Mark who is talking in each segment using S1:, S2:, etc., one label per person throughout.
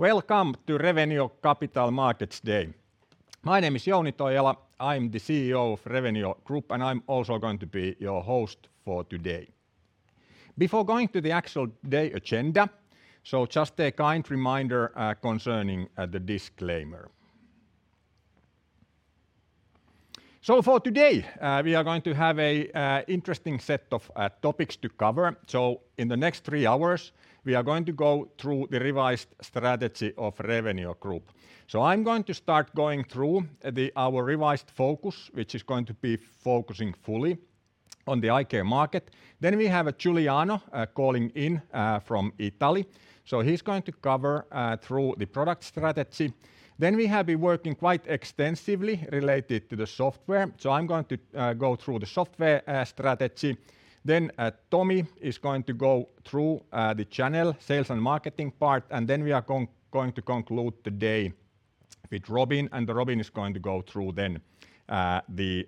S1: Welcome to Revenio Capital Markets Day. My name is Jouni Toijala. I'm the CEO of Revenio Group, and I'm also going to be your host for today. Before going to the actual day agenda, just a kind reminder concerning the disclaimer. For today, we are going to have an interesting set of topics to cover. In the next three hours, we are going to go through the revised strategy of Revenio Group. I'm going to start going through our revised focus, which is going to be focusing fully on the eye care market. We have Giuliano calling in from Italy. He's going to cover through the product strategy. We have been working quite extensively related to the software, so I'm going to go through the software strategy. Tomi is going to go through the channel sales and marketing part. We are going to conclude the day with Robin. Robin is going to go through the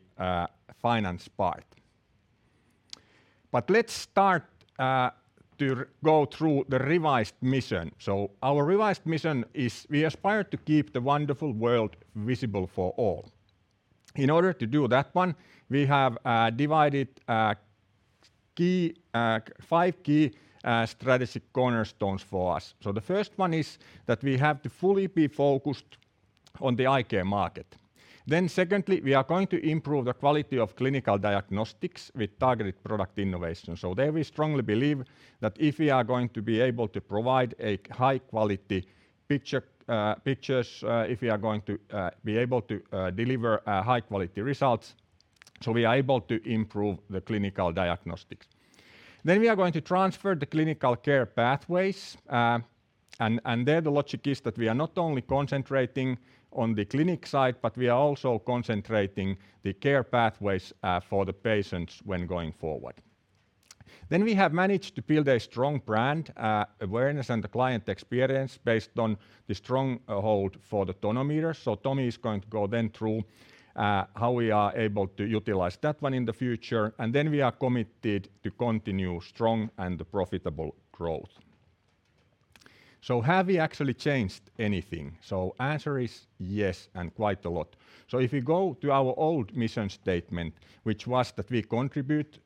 S1: finance part. Let's start to go through the revised mission. Our revised mission is we aspire to keep the wonderful world visible for all. In order to do that one, we have divided five key strategic cornerstones for us. The first one is that we have to fully be focused on the eye care market. Secondly, we are going to improve the quality of clinical diagnostics with targeted product innovation. There we strongly believe that if we are going to be able to provide high-quality pictures, if we are going to be able to deliver high-quality results, we are able to improve the clinical diagnostics. We are going to transfer the clinical care pathways, and there the logic is that we are not only concentrating on the clinic side, but we are also concentrating the care pathways for the patients when going forward. We have managed to build a strong brand awareness and the client experience based on the strong hold for the tonometers. Tomi is going to go then through how we are able to utilize that one in the future, and then we are committed to continue strong and profitable growth. Have we actually changed anything? Answer is yes, and quite a lot. If you go to our old mission statement, which was that we contribute to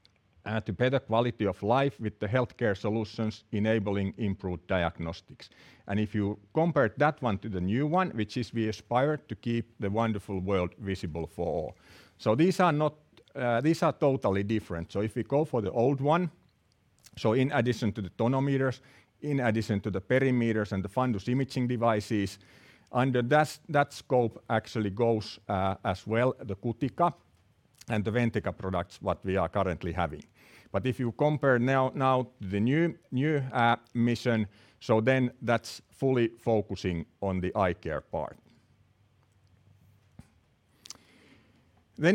S1: better quality of life with the healthcare solutions enabling improved diagnostics. If you compare that one to the new one, which is we aspire to keep the wonderful world visible for all. These are totally different. If we go for the old one, in addition to the tonometers, in addition to the perimeters and the fundus imaging devices, under that scope actually goes as well the Cutica and the Ventica products, what we are currently having. If you compare now the new mission, that's fully focusing on the eye care part.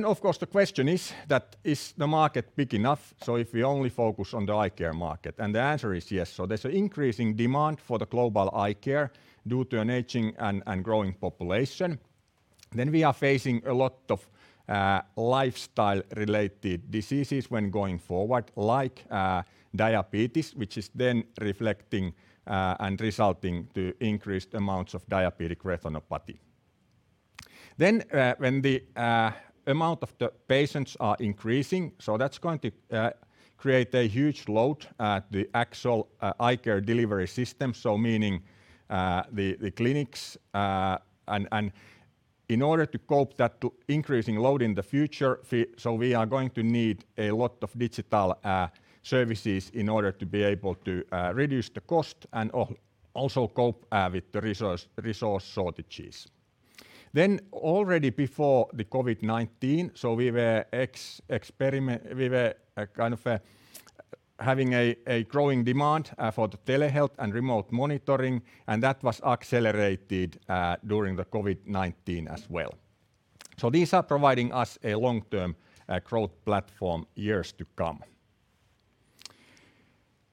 S1: Of course, the question is that, is the market big enough if we only focus on the eye care market? The answer is yes. There's an increasing demand for the global eye care due to an aging and growing population. We are facing a lot of lifestyle-related diseases when going forward, like diabetes, which is reflecting and resulting to increased amounts of diabetic retinopathy. When the amount of the patients are increasing, that's going to create a huge load at the actual eye care delivery system, meaning the clinics. In order to cope that to increasing load in the future, we are going to need a lot of digital services in order to be able to reduce the cost and also cope with the resource shortages. Already before the COVID-19, we were kind of having a growing demand for the telehealth and remote monitoring, that was accelerated during the COVID-19 as well. These are providing us a long-term growth platform years to come.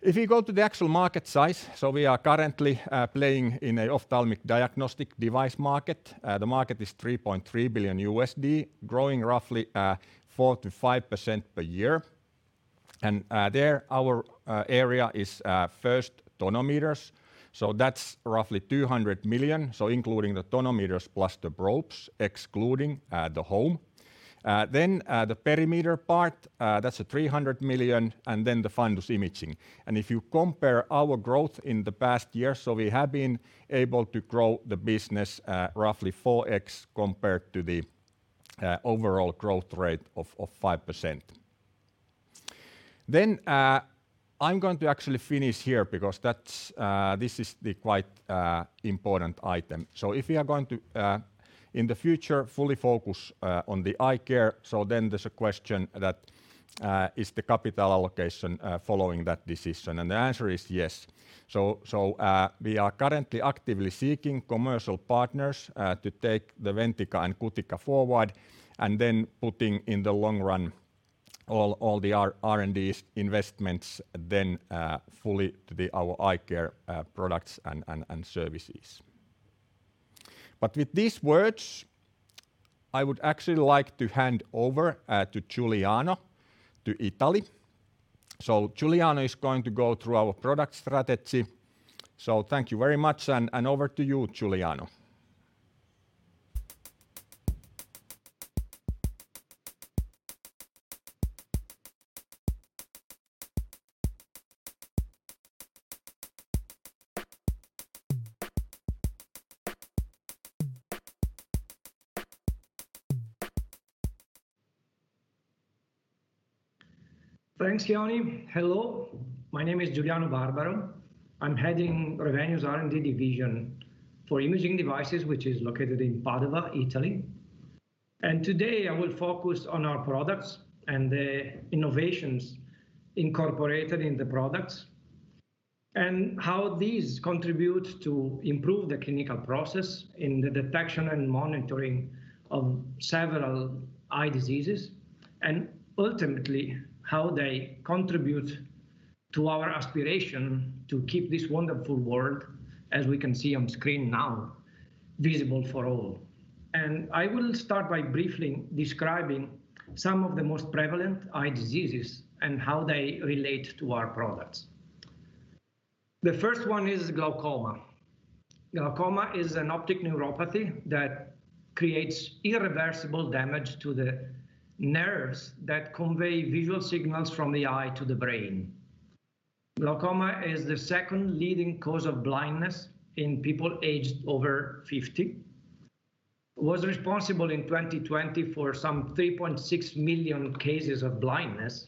S1: If you go to the actual market size, so we are currently playing in a ophthalmic diagnostic device market. The market is $3.3 billion, growing roughly 4%-5% per year. There our area is first tonometers, that's roughly 200 million, including the tonometers plus the probes, excluding the home. The perimeter part, that's 300 million, and then the fundus imaging. If you compare our growth in the past years, we have been able to grow the business roughly 4x compared to the overall growth rate of 5%. I'm going to actually finish here because this is the quite important item. If we are going to, in the future, fully focus on the eye care, then there's a question that is the capital allocation following that decision, and the answer is yes. We are currently actively seeking commercial partners to take the Ventica and Cutica forward, and then putting in the long run all the R&D investments then fully to our eye care products and services. With these words, I would actually like to hand over to Giuliano, to Italy. Giuliano is going to go through our product strategy. Thank you very much and over to you, Giuliano.
S2: Thanks, Jouni. Hello, my name is Giuliano Barbaro. I'm heading Revenio's R&D division for imaging devices, which is located in Padova, Italy. Today I will focus on our products and the innovations incorporated in the products, and how these contribute to improve the clinical process in the detection and monitoring of several eye diseases, and ultimately how they contribute to our aspiration to keep this wonderful world, as we can see on screen now, visible for all. I will start by briefly describing some of the most prevalent eye diseases and how they relate to our products. The first one is glaucoma. Glaucoma is an optic neuropathy that creates irreversible damage to the nerves that convey visual signals from the eye to the brain. Glaucoma is the second leading cause of blindness in people aged over 50. Was responsible in 2020 for some 3.6 million cases of blindness,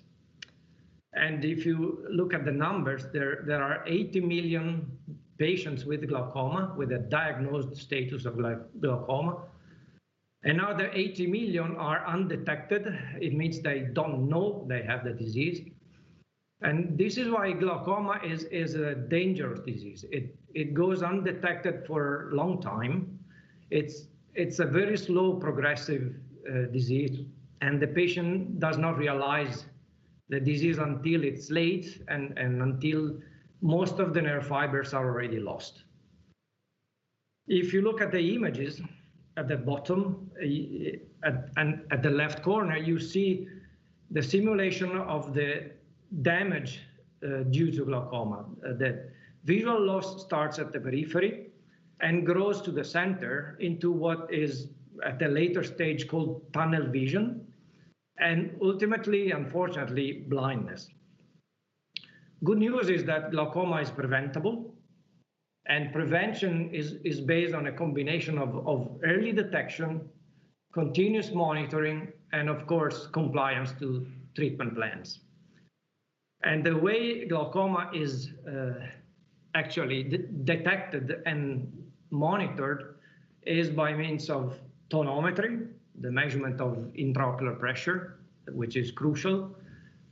S2: and if you look at the numbers there are 80 million patients with glaucoma, with a diagnosed status of glaucoma. Another 80 million are undetected. It means they don't know they have the disease, and this is why glaucoma is a dangerous disease. It goes undetected for a long time. It's a very slow progressive disease, and the patient does not realize the disease until it's late and until most of the nerve fibers are already lost. If you look at the images at the bottom and at the left corner, you see the simulation of the damage due to glaucoma. The visual loss starts at the periphery and grows to the center into what is at a later stage called tunnel vision, and ultimately, unfortunately, blindness. Good news is that glaucoma is preventable, and prevention is based on a combination of early detection, continuous monitoring, and of course, compliance to treatment plans. The way glaucoma is actually detected and monitored is by means of tonometry, the measurement of intraocular pressure, which is crucial.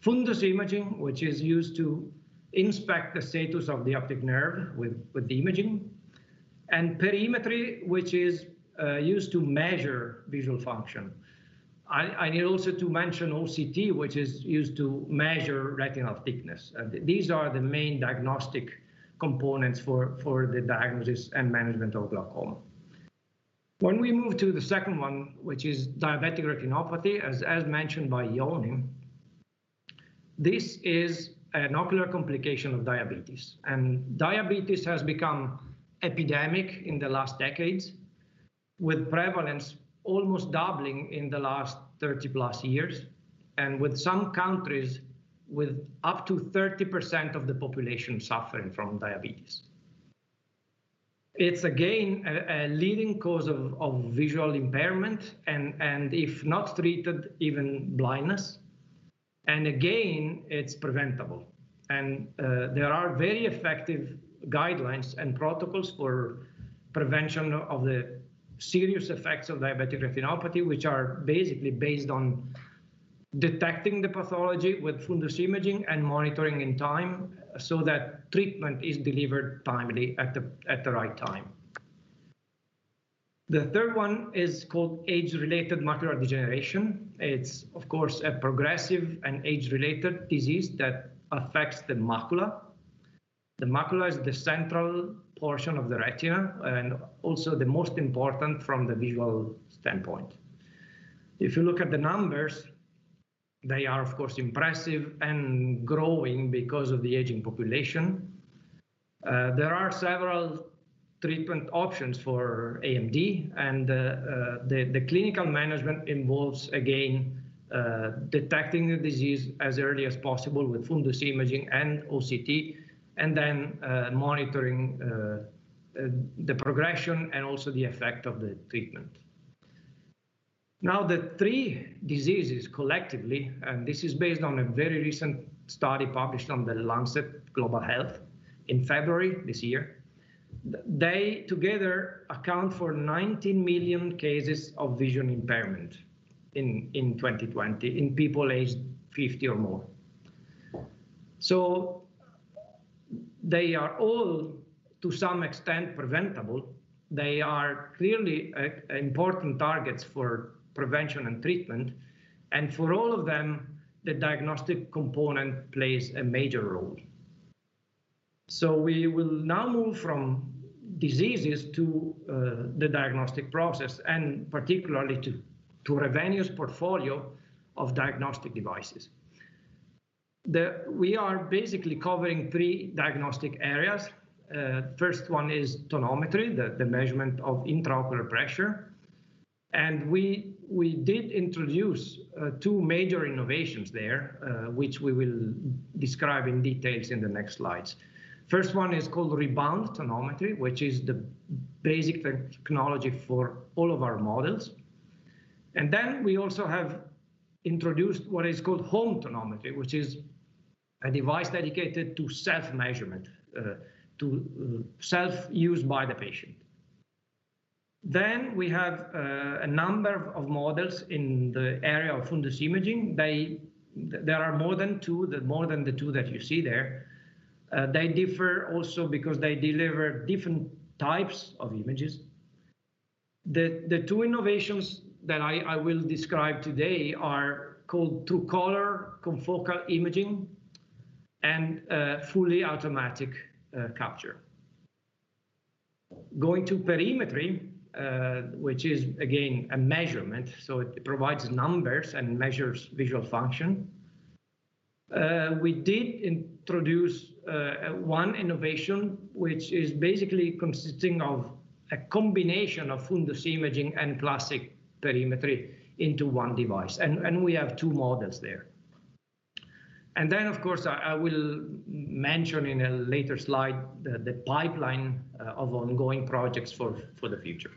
S2: Fundus imaging, which is used to inspect the status of the optic nerve with the imaging, and perimetry, which is used to measure visual function. I need also to mention OCT, which is used to measure retinal thickness. These are the main diagnostic components for the diagnosis and management of glaucoma. When we move to the second one, which is diabetic retinopathy, as mentioned by Jouni, this is an ocular complication of diabetes, and diabetes has become epidemic in the last decades, with prevalence almost doubling in the last 30+ years, and with some countries with up to 30% of the population suffering from diabetes. It's again a leading cause of visual impairment and if not treated, even blindness. Again, it's preventable. There are very effective guidelines and protocols for prevention of the serious effects of diabetic retinopathy, which are basically based on detecting the pathology with fundus imaging and monitoring in time, so that treatment is delivered timely at the right time. The third one is called age-related macular degeneration. It's of course a progressive and age-related disease that affects the macula. The macula is the central portion of the retina and also the most important from the visual standpoint. If you look at the numbers, they are of course impressive and growing because of the aging population. There are several treatment options for AMD, and the clinical management involves, again, detecting the disease as early as possible with fundus imaging and OCT, and then monitoring the progression and also the effect of the treatment. The three diseases collectively, and this is based on a very recent study published on The Lancet Global Health in February this year, they together account for 19 million cases of vision impairment in 2020 in people aged 50 or more. They are all to some extent preventable. They are clearly important targets for prevention and treatment, and for all of them, the diagnostic component plays a major role. We will now move from diseases to the diagnostic process and particularly to Revenio's portfolio of diagnostic devices. We are basically covering three diagnostic areas. First one is tonometry, the measurement of intraocular pressure. We did introduce two major innovations there, which we will describe in details in the next slides. First one is called rebound tonometry, which is the basic technology for all of our models. We also have introduced what is called home tonometry, which is a device dedicated to self-measurement, to self use by the patient. We have a number of models in the area of fundus imaging. There are more than the two that you see there. They differ also because they deliver different types of images. The two innovations that I will describe today are called TrueColor Confocal imaging and fully automatic capture. Going to perimetry, which is again, a measurement. It provides numbers and measures visual function. We did introduce one innovation, which is basically consisting of a combination of fundus imaging and classic perimetry into one device. We have two models there. Of course, I will mention in a later slide the pipeline of ongoing projects for the future.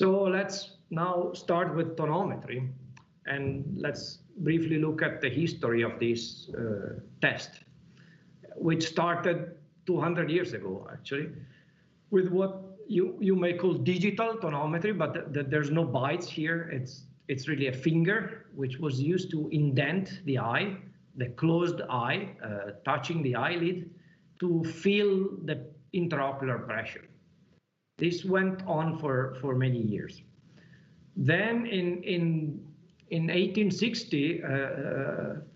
S2: Let's now start with tonometry and let's briefly look at the history of this test, which started 200 years ago actually, with what you may call digital tonometry. There's no bytes here. It's really a finger, which was used to indent the eye, the closed eye, touching the eyelid to feel the intraocular pressure. This went on for many years. In 1860,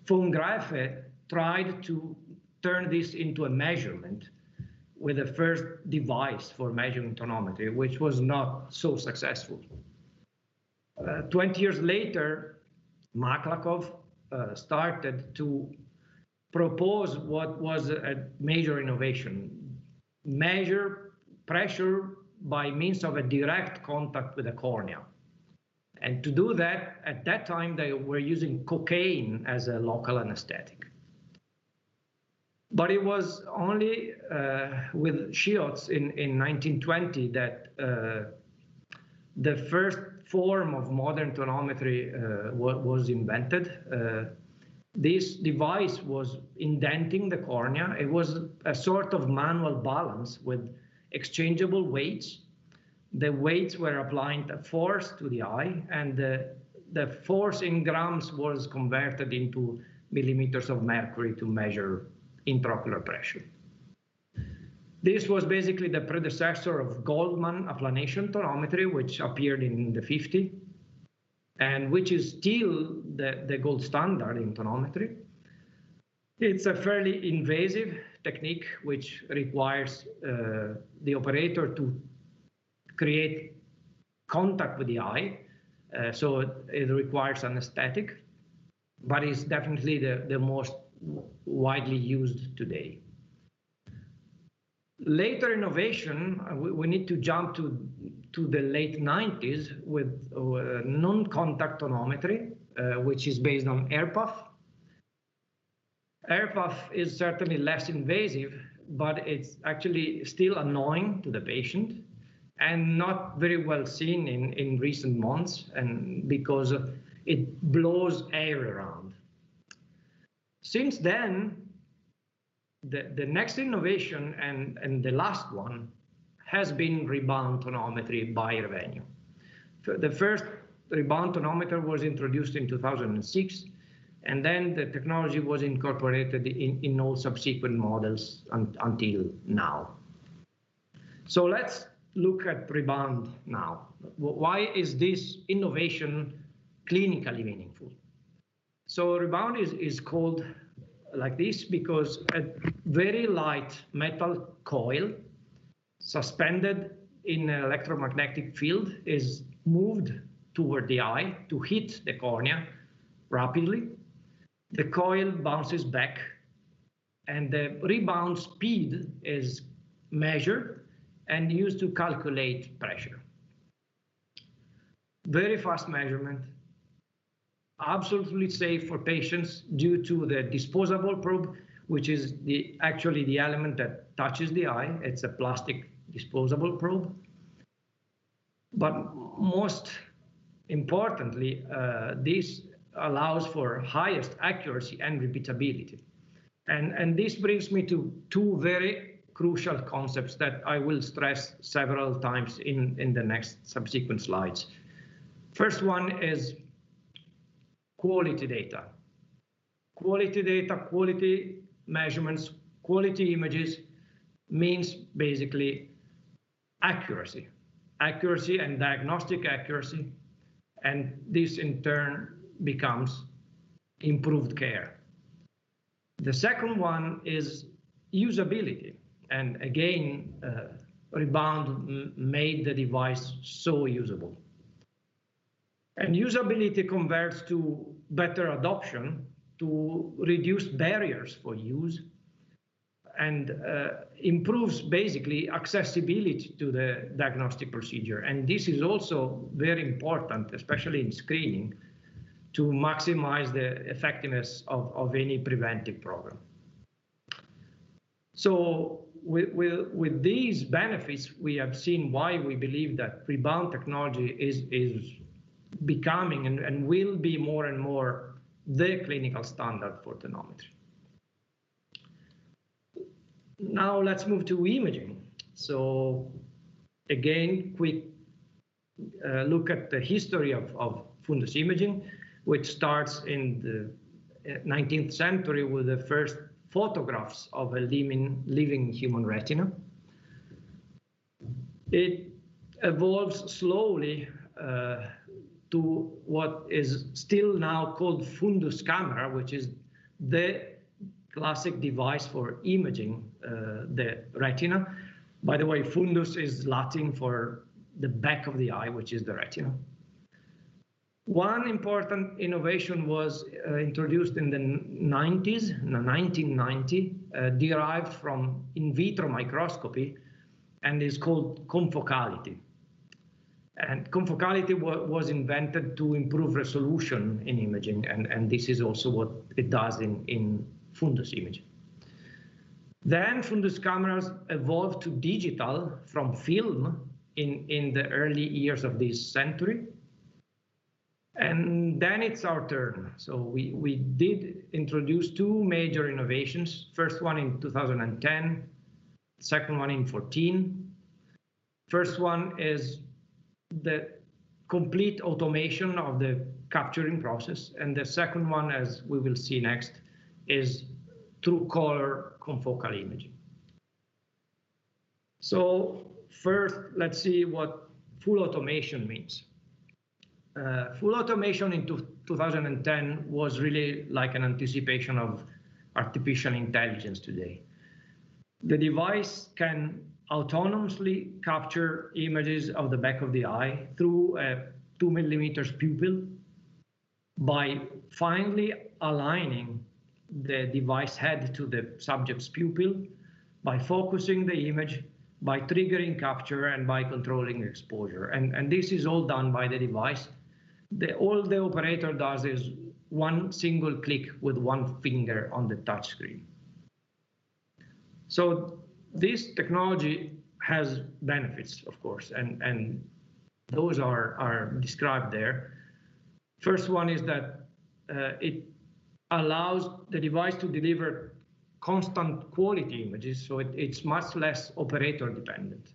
S2: von Graefe tried to turn this into a measurement with the first device for measuring tonometry, which was not so successful. 20 years later, Maklakov started to propose what was a major innovation. Measure pressure by means of a direct contact with the cornea. To do that, at that time, they were using cocaine as a local anesthetic. It was only with Schiotz in 1920 that the first form of modern tonometry was invented. This device was indenting the cornea. It was a sort of manual balance with exchangeable weights. The weights were applying the force to the eye, and the force in grams was converted into millimeters of mercury to measure intraocular pressure. This was basically the predecessor of Goldmann applanation tonometry, which appeared in the 50, and which is still the gold standard in tonometry. It's a fairly invasive technique, which requires the operator to create contact with the eye. It requires anesthetic, but it's definitely the most widely used today. Later innovation, we need to jump to the late 1990s with non-contact tonometry, which is based on Air puff. Air puff is certainly less invasive, it's actually still annoying to the patient and not very well seen in recent months because it blows air around. Since then, the next innovation and the last one has been rebound tonometry by Revenio. The first rebound tonometer was introduced in 2006, and then the technology was incorporated in all subsequent models until now. Let's look at rebound now. Why is this innovation clinically meaningful? Rebound is called like this because a very light metal coil suspended in an electromagnetic field is moved toward the eye to hit the cornea rapidly. The coil bounces back and the rebound speed is measured and used to calculate pressure. Very fast measurement, absolutely safe for patients due to the disposable probe, which is actually the element that touches the eye. It's a plastic disposable probe. Most importantly, this allows for highest accuracy and repeatability. This brings me to two very crucial concepts that I will stress several times in the next subsequent slides. First one is quality data. Quality data, quality measurements, quality images means basically accuracy. Accuracy and diagnostic accuracy, and this in turn becomes improved care. The second one is usability, and again, rebound made the device so usable. Usability converts to better adoption to reduce barriers for use and improves basically accessibility to the diagnostic procedure. This is also very important, especially in screening, to maximize the effectiveness of any preventive program. With these benefits, we have seen why we believe that rebound technology is becoming, and will be more and more, the clinical standard for tonometry. Let's move to imaging. Again, quick look at the history of fundus imaging, which starts in the 19th century with the first photographs of a living human retina. It evolves slowly to what is still now called fundus camera, which is the classic device for imaging the retina. By the way, fundus is Latin for the back of the eye, which is the retina. One important innovation was introduced in the 1990s, in 1990, derived from in vitro microscopy and is called confocality. Confocality was invented to improve resolution in imaging, and this is also what it does in fundus imaging. Fundus cameras evolved to digital from film in the early years of this century. It's our turn. We did introduce two major innovations. First one in 2010, second one in 2014. First one is the complete automation of the capturing process, and the second one, as we will see next, is TrueColor Confocal imaging. First, let's see what full automation means. Full automation in 2010 was really like an anticipation of artificial intelligence today. The device can autonomously capture images of the back of the eye through a 2 mm pupil by finely aligning the device head to the subject's pupil, by focusing the image, by triggering capture, and by controlling exposure. This is all done by the device. All the operator does is one single click with one finger on the touch screen. This technology has benefits, of course, and those are described there. First one is that it allows the device to deliver constant quality images. It's much less operator dependent.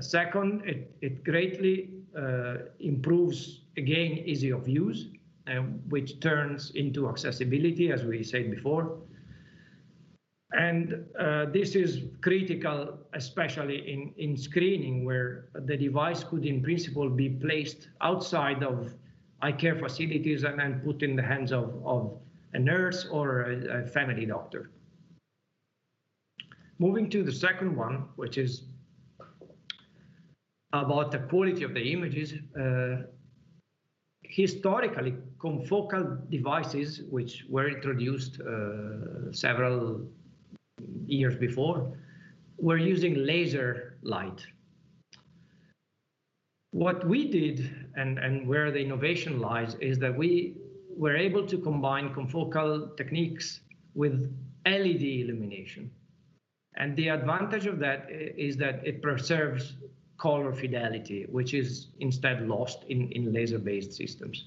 S2: Second, it greatly improves, again, ease of use, which turns into accessibility, as we said before. This is critical, especially in screening, where the device could, in principle, be placed outside of eye care facilities and then put in the hands of a nurse or a family doctor. Moving to the second one, which is about the quality of the images. Historically, confocal devices, which were introduced several years before, were using laser light. What we did, and where the innovation lies, is that we were able to combine confocal techniques with LED illumination. The advantage of that is that it preserves color fidelity, which is instead lost in laser-based systems.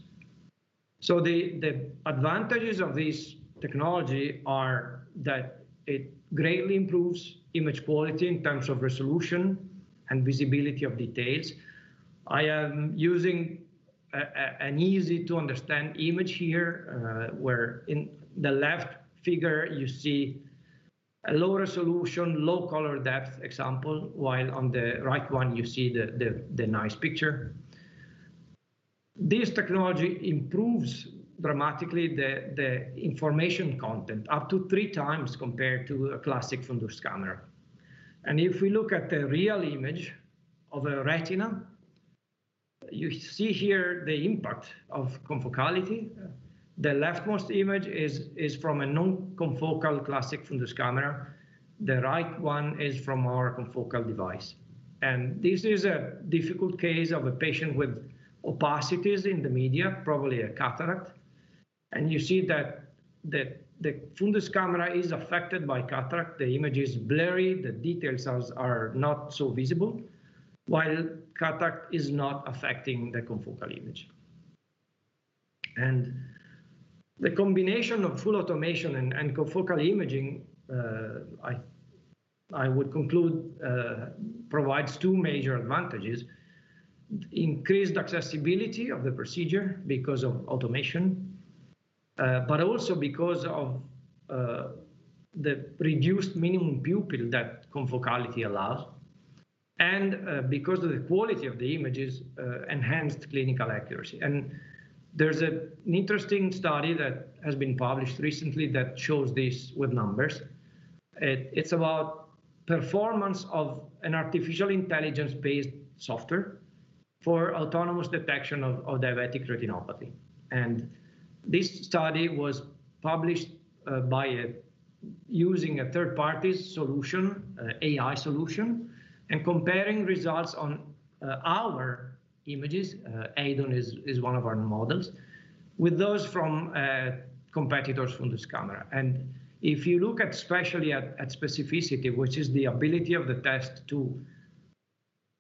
S2: The advantages of this technology are that it greatly improves image quality in terms of resolution and visibility of details. I am using an easy to understand image here, where in the left figure you see a low resolution, low color depth example, while on the right one you see the nice picture. This technology improves dramatically the information content, up to three times compared to a classic fundus camera. If we look at the real image of a retina, you see here the impact of confocality. The leftmost image is from a non-confocal classic fundus camera. The right one is from our confocal device. This is a difficult case of a patient with opacities in the media, probably a cataract. You see that the fundus camera is affected by cataract. The image is blurry. The details are not so visible, while cataract is not affecting the confocal image. The combination of full automation and confocal imaging, I would conclude, provides two major advantages. Increased accessibility of the procedure because of automation, but also because of the reduced minimum pupil that confocality allows, and because of the quality of the images enhanced clinical accuracy. There's an interesting study that has been published recently that shows this with numbers. It's about performance of an artificial intelligence-based software for autonomous detection of diabetic retinopathy. This study was published by using a third party solution, AI solution, and comparing results on our images, EIDON is one of our models, with those from competitors' fundus camera. If you look especially at specificity, which is the ability of the test to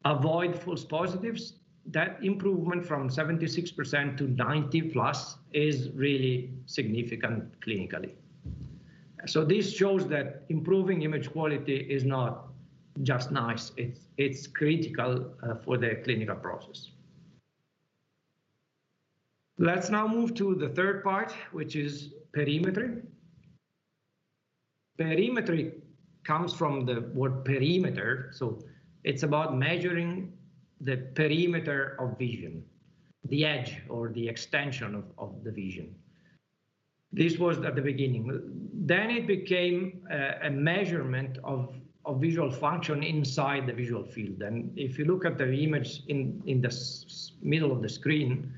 S2: avoid false positives, that improvement from 76% to 90%+ is really significant clinically. This shows that improving image quality is not just nice, it's critical for the clinical process. Let's now move to the third part, which is perimetry. Perimetry comes from the word perimeter, so it's about measuring the perimeter of vision, the edge or the extension of the vision. This was at the beginning. It became a measurement of visual function inside the visual field. If you look at the image in the middle of the screen,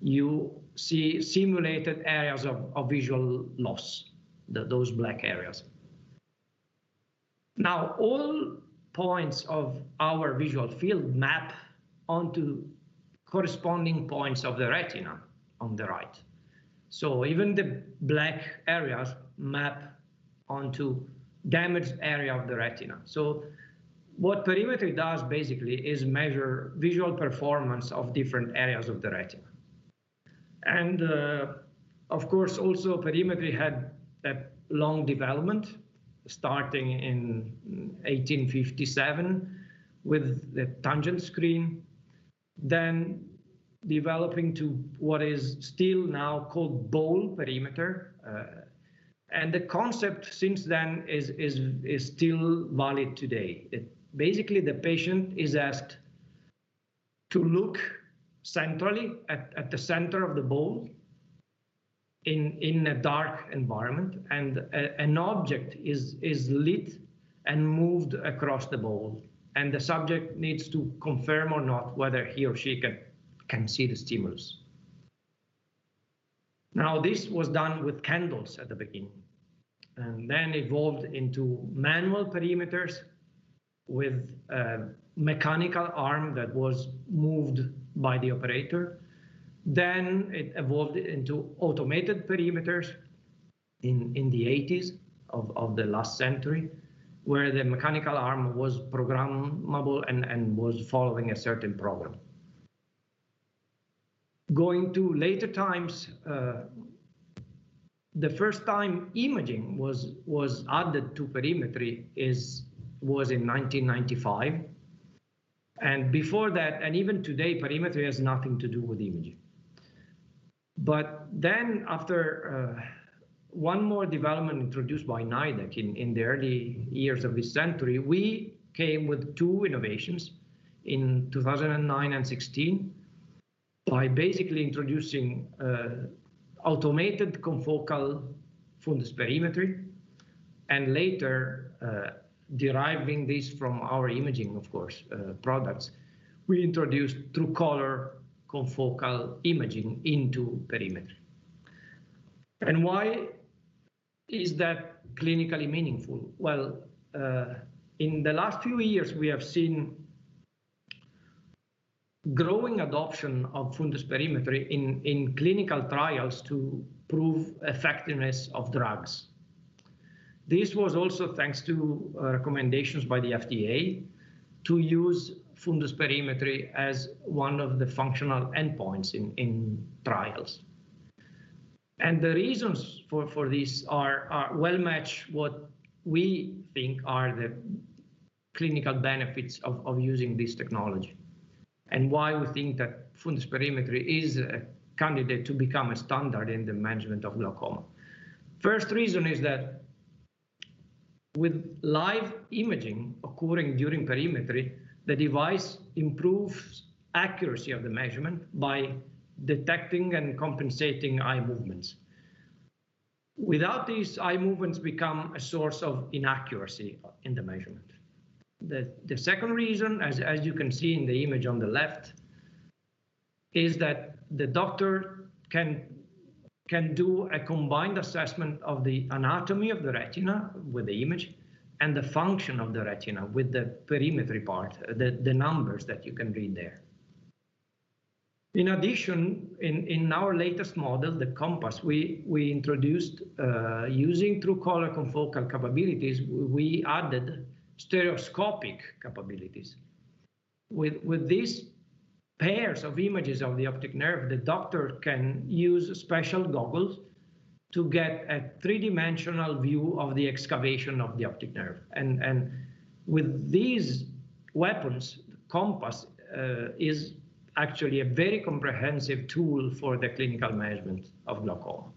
S2: you see simulated areas of visual loss, those black areas. Now all points of our visual field map onto corresponding points of the retina on the right. Even the black areas map onto damaged area of the retina. What perimetry does basically is measure visual performance of different areas of the retina. Of course, also perimetry had a long development starting in 1857 with the tangent screen, then developing to what is still now called bowl perimetry. The concept since then is still valid today. Basically, the patient is asked to look centrally at the center of the bowl in a dark environment and an object is lit and moved across the bowl, and the subject needs to confirm or not whether he or she can see the stimulus. This was done with candles at the beginning and then evolved into manual perimeters with a mechanical arm that was moved by the operator. It evolved into automated perimeters in the 1980s of the last century, where the mechanical arm was programmable and was following a certain program. Going to later times, the first time imaging was added to perimetry was in 1995. Before that, even today, perimetry has nothing to do with imaging. After one more development introduced by Nidek in the early years of this century, we came with two innovations in 2009 and 2016 by basically introducing automated confocal fundus perimetry and later deriving this from our imaging, of course, products. We introduced TrueColor Confocal imaging into perimetry. Why is that clinically meaningful? Well, in the last few years, we have seen growing adoption of fundus perimetry in clinical trials to prove effectiveness of drugs. This was also thanks to recommendations by the FDA to use fundus perimetry as one of the functional endpoints in trials. The reasons for this well match what we think are the clinical benefits of using this technology, and why we think that fundus perimetry is a candidate to become a standard in the management of glaucoma. First reason is that with live imaging occurring during perimetry, the device improves accuracy of the measurement by detecting and compensating eye movements. Without these, eye movements become a source of inaccuracy in the measurement. The second reason, as you can see in the image on the left, is that the doctor can do a combined assessment of the anatomy of the retina with the image and the function of the retina with the perimetry part, the numbers that you can read there. In addition, in our latest model, the COMPASS, using TrueColor confocal capabilities, we added stereoscopic capabilities. With these pairs of images of the optic nerve, the doctor can use special goggles to get a three-dimensional view of the excavation of the optic nerve. With these weapons, COMPASS is actually a very comprehensive tool for the clinical management of glaucoma.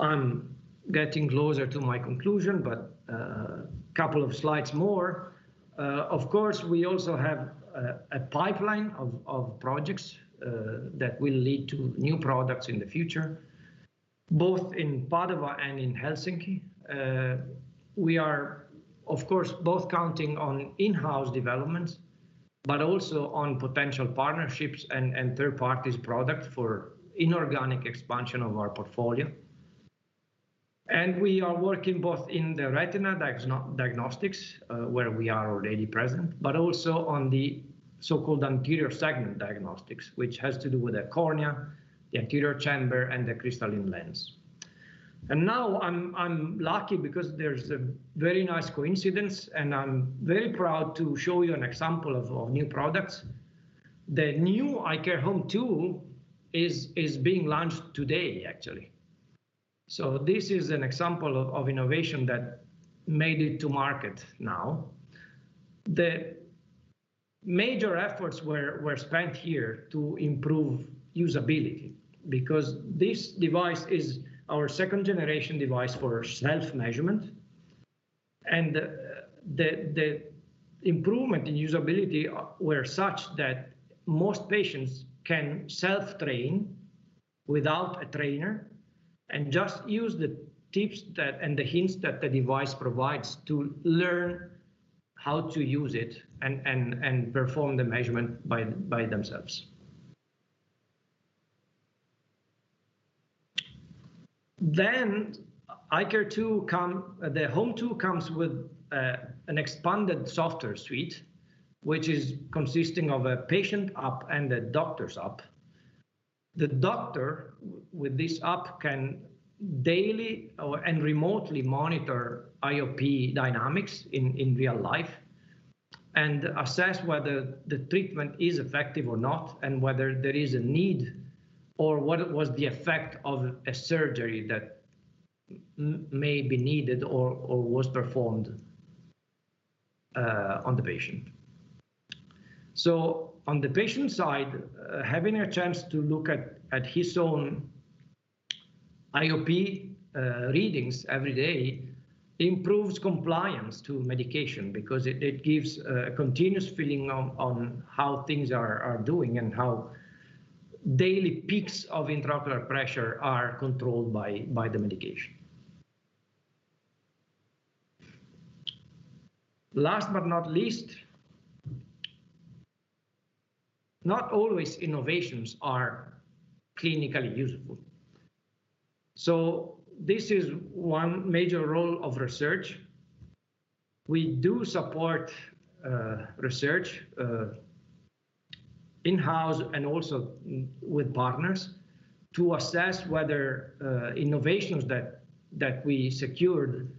S2: I'm getting closer to my conclusion, couple of slides more. Of course, we also have a pipeline of projects that will lead to new products in the future, both in Padova and in Helsinki. We are, of course, both counting on in-house developments, but also on potential partnerships and third parties product for inorganic expansion of our portfolio. We are working both in the retina diagnostics, where we are already present, but also on the so-called anterior segment diagnostics, which has to do with the cornea, the anterior chamber, and the crystalline lens. Now I'm lucky because there's a very nice coincidence, and I'm very proud to show you an example of our new products. The new iCare HOME2 is being launched today, actually. This is an example of innovation that made it to market now. The major efforts were spent here to improve usability because this device is our second-generation device for self-measurement. The improvement in usability were such that most patients can self-train without a trainer and just use the tips and the hints that the device provides to learn how to use it and perform the measurement by themselves. The HOME2 comes with an expanded software suite, which is consisting of a patient app and a doctor's app. The doctor with this app can daily and remotely monitor IOP dynamics in real life and assess whether the treatment is effective or not and whether there is a need or what was the effect of a surgery that may be needed or was performed on the patient. On the patient side, having a chance to look at his own IOP readings every day improves compliance to medication because it gives a continuous feeling on how things are doing and how daily peaks of intraocular pressure are controlled by the medication. Last but not least, not always innovations are clinically usable. This is one major role of research. We do support research in-house and also with partners to assess whether innovations that we secured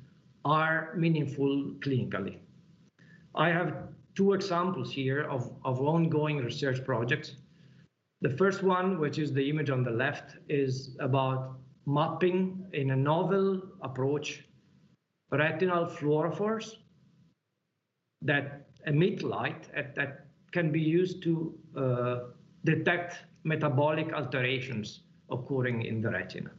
S2: are meaningful clinically. I have two examples here of ongoing research projects. The first one, which is the image on the left, is about mapping in a novel approach retinal fluorophores that emit light that can be used to detect metabolic alterations occurring in the retina.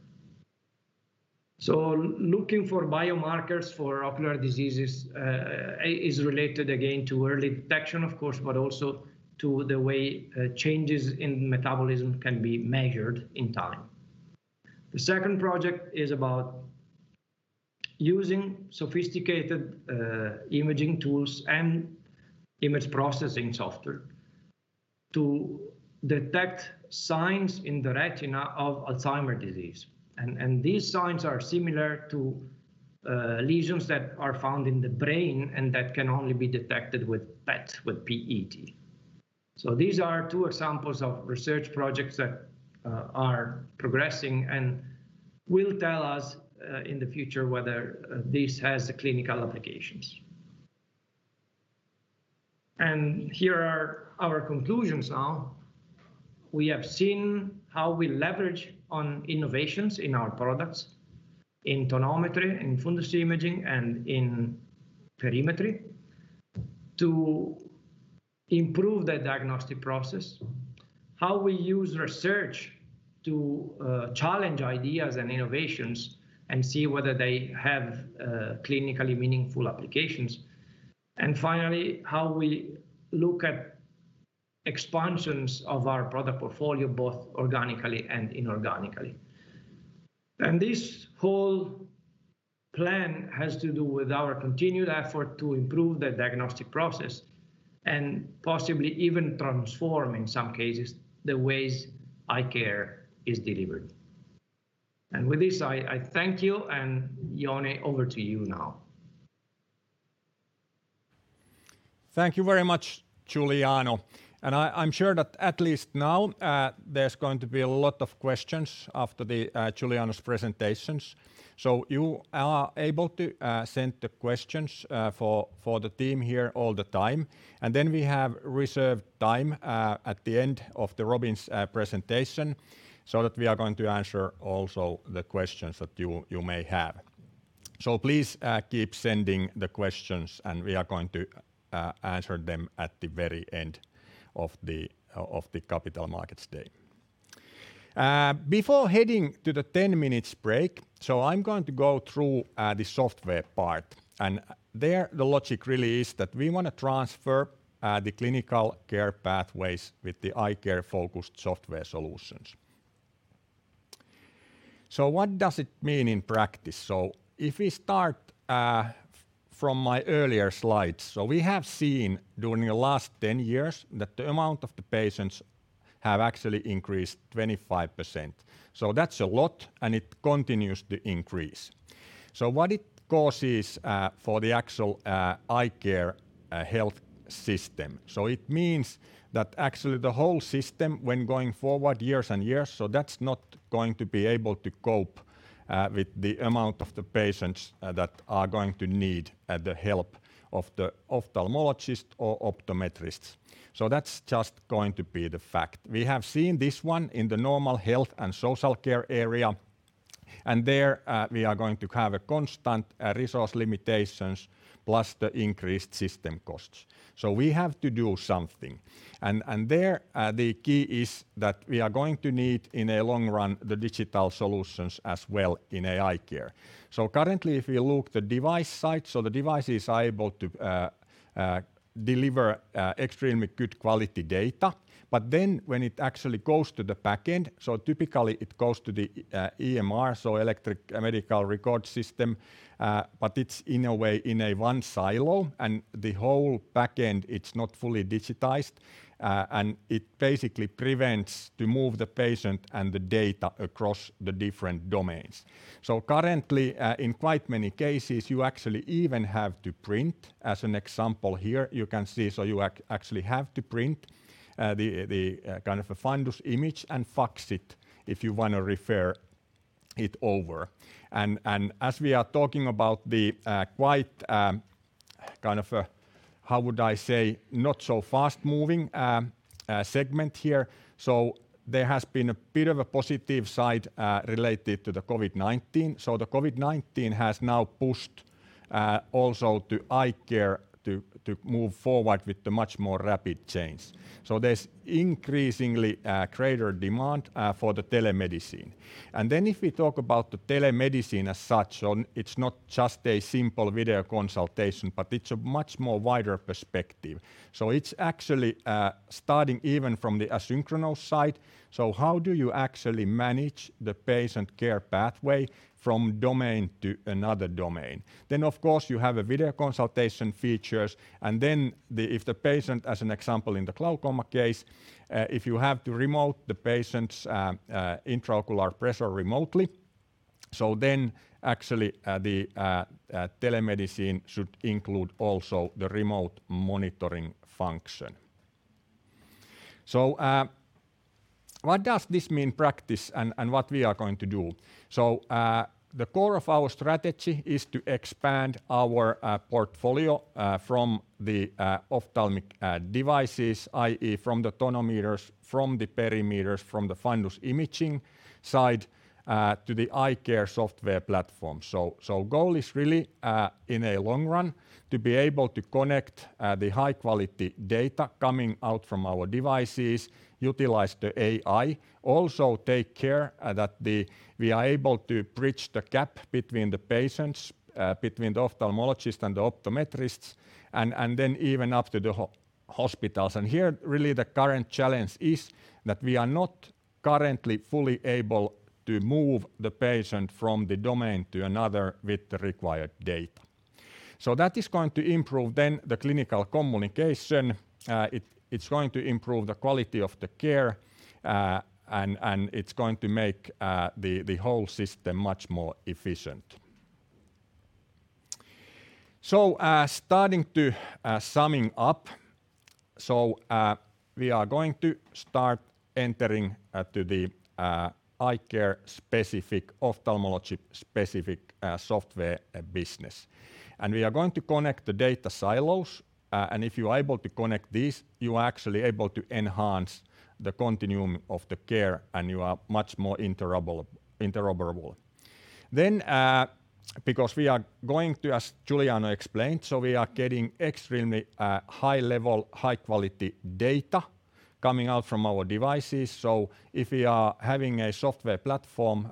S2: Looking for biomarkers for ocular diseases is related again to early detection, of course, but also to the way changes in metabolism can be measured in time. The second project is about using sophisticated imaging tools and image processing software to detect signs in the retina of Alzheimer's disease. These signs are similar to lesions that are found in the brain and that can only be detected with PET, with P-E-T. These are two examples of research projects that are progressing and will tell us in the future whether this has clinical applications. Here are our conclusions now. We have seen how we leverage on innovations in our products, in tonometry, in fundus imaging, and in perimetry to improve the diagnostic process, how we use research to challenge ideas and innovations and see whether they have clinically meaningful applications, and finally, how we look at expansions of our product portfolio, both organically and inorganically. This whole plan has to do with our continued effort to improve the diagnostic process and possibly even transform, in some cases, the ways eye care is delivered. With this, I thank you. Jouni, over to you now.
S1: Thank you very much, Giuliano. I'm sure that at least now, there's going to be a lot of questions after Giuliano's presentations. You are able to send the questions for the team here all the time. We have reserved time at the end of Robin's presentation so that we are going to answer also the questions that you may have. Please keep sending the questions, and we are going to answer them at the very end of the Capital Markets Day. Before heading to the 10 minutes break, so I'm going to go through the software part. There, the logic really is that we want to transfer the clinical care pathways with the iCare-focused software solutions. What does it mean in practice? If we start from my earlier slides, we have seen during the last 10 years that the amount of the patients have actually increased 25%. That's a lot, and it continues to increase. What it causes for the actual eye care health system. It means that actually the whole system when going forward years and years, that's not going to be able to cope with the amount of the patients that are going to need the help of the ophthalmologist or optometrists. That's just going to be the fact. We have seen this one in the normal health and social care area, and there we are going to have a constant resource limitations plus the increased system costs. We have to do something. There, the key is that we are going to need in a long run the digital solutions as well in eye care. Currently, if you look the device side, so the device is able to deliver extremely good quality data. When it actually goes to the back end, so typically it goes to the EMR, so electronic medical record system, but it's in a way in a one silo, and the whole back end it's not fully digitized. It basically prevents to move the patient and the data across the different domains. Currently, in quite many cases, you actually even have to print. As an example here, you can see so you actually have to print the fundus image and fax it if you want to refer it over. As we are talking about the quite, how would I say, not so fast-moving segment here, there has been a bit of a positive side related to the COVID-19. The COVID-19 has now pushed also the eye care to move forward with the much more rapid change. There's increasingly a greater demand for the telemedicine. If we talk about the telemedicine as such, it's not just a simple video consultation, but it's a much more wider perspective. It's actually starting even from the asynchronous side. How do you actually manage the patient care pathway from domain to another domain? Of course, you have video consultation features, and then if the patient, as an example in the glaucoma case, if you have to remote the patient's intraocular pressure remotely, so then actually the telemedicine should include also the remote monitoring function. What does this mean in practice and what we are going to do? The core of our strategy is to expand our portfolio from the ophthalmic devices, i.e., from the tonometers, from the perimeters, from the fundus imaging side to the eye care software platform. Goal is really in a long run to be able to connect the high-quality data coming out from our devices, utilize the AI. Also take care that we are able to bridge the gap between the patients, between the ophthalmologist and the optometrists, and then even up to the hospitals. Here, really the current challenge is that we are not currently fully able to move the patient from the domain to another with the required data. That is going to improve then the clinical communication, it's going to improve the quality of the care, and it's going to make the whole system much more efficient. Starting to summing up. We are going to start entering to the eye care specific, ophthalmology-specific software business. We are going to connect the data silos, and if you are able to connect these, you are actually able to enhance the continuum of the care, and you are much more interoperable. Then, because we are going to, as Giuliano explained, we are getting extremely high-level, high-quality data coming out from our devices. If we are having a software platform,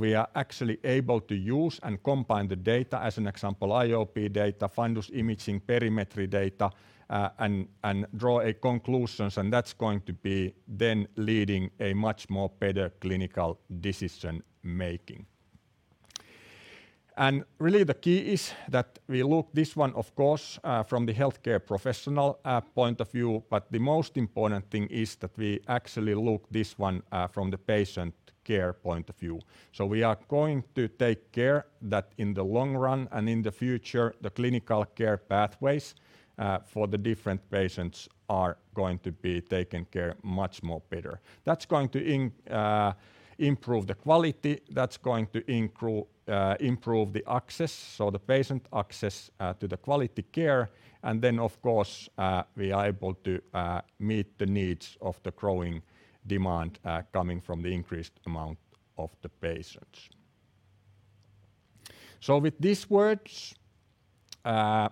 S1: we are actually able to use and combine the data, as an example, IOP data, fundus imaging, perimetry data, and draw conclusions. That's going to be then leading a much more better clinical decision making. Really the key is that we look this one, of course, from the healthcare professional point of view, but the most important thing is that we actually look this one from the patient care point of view. We are going to take care that in the long run and in the future, the clinical care pathways for the different patients are going to be taken care much more better. That's going to improve the quality. That's going to improve the access, so the patient access to the quality care, and then, of course, we are able to meet the needs of the growing demand coming from the increased amount of the patients. With these words, I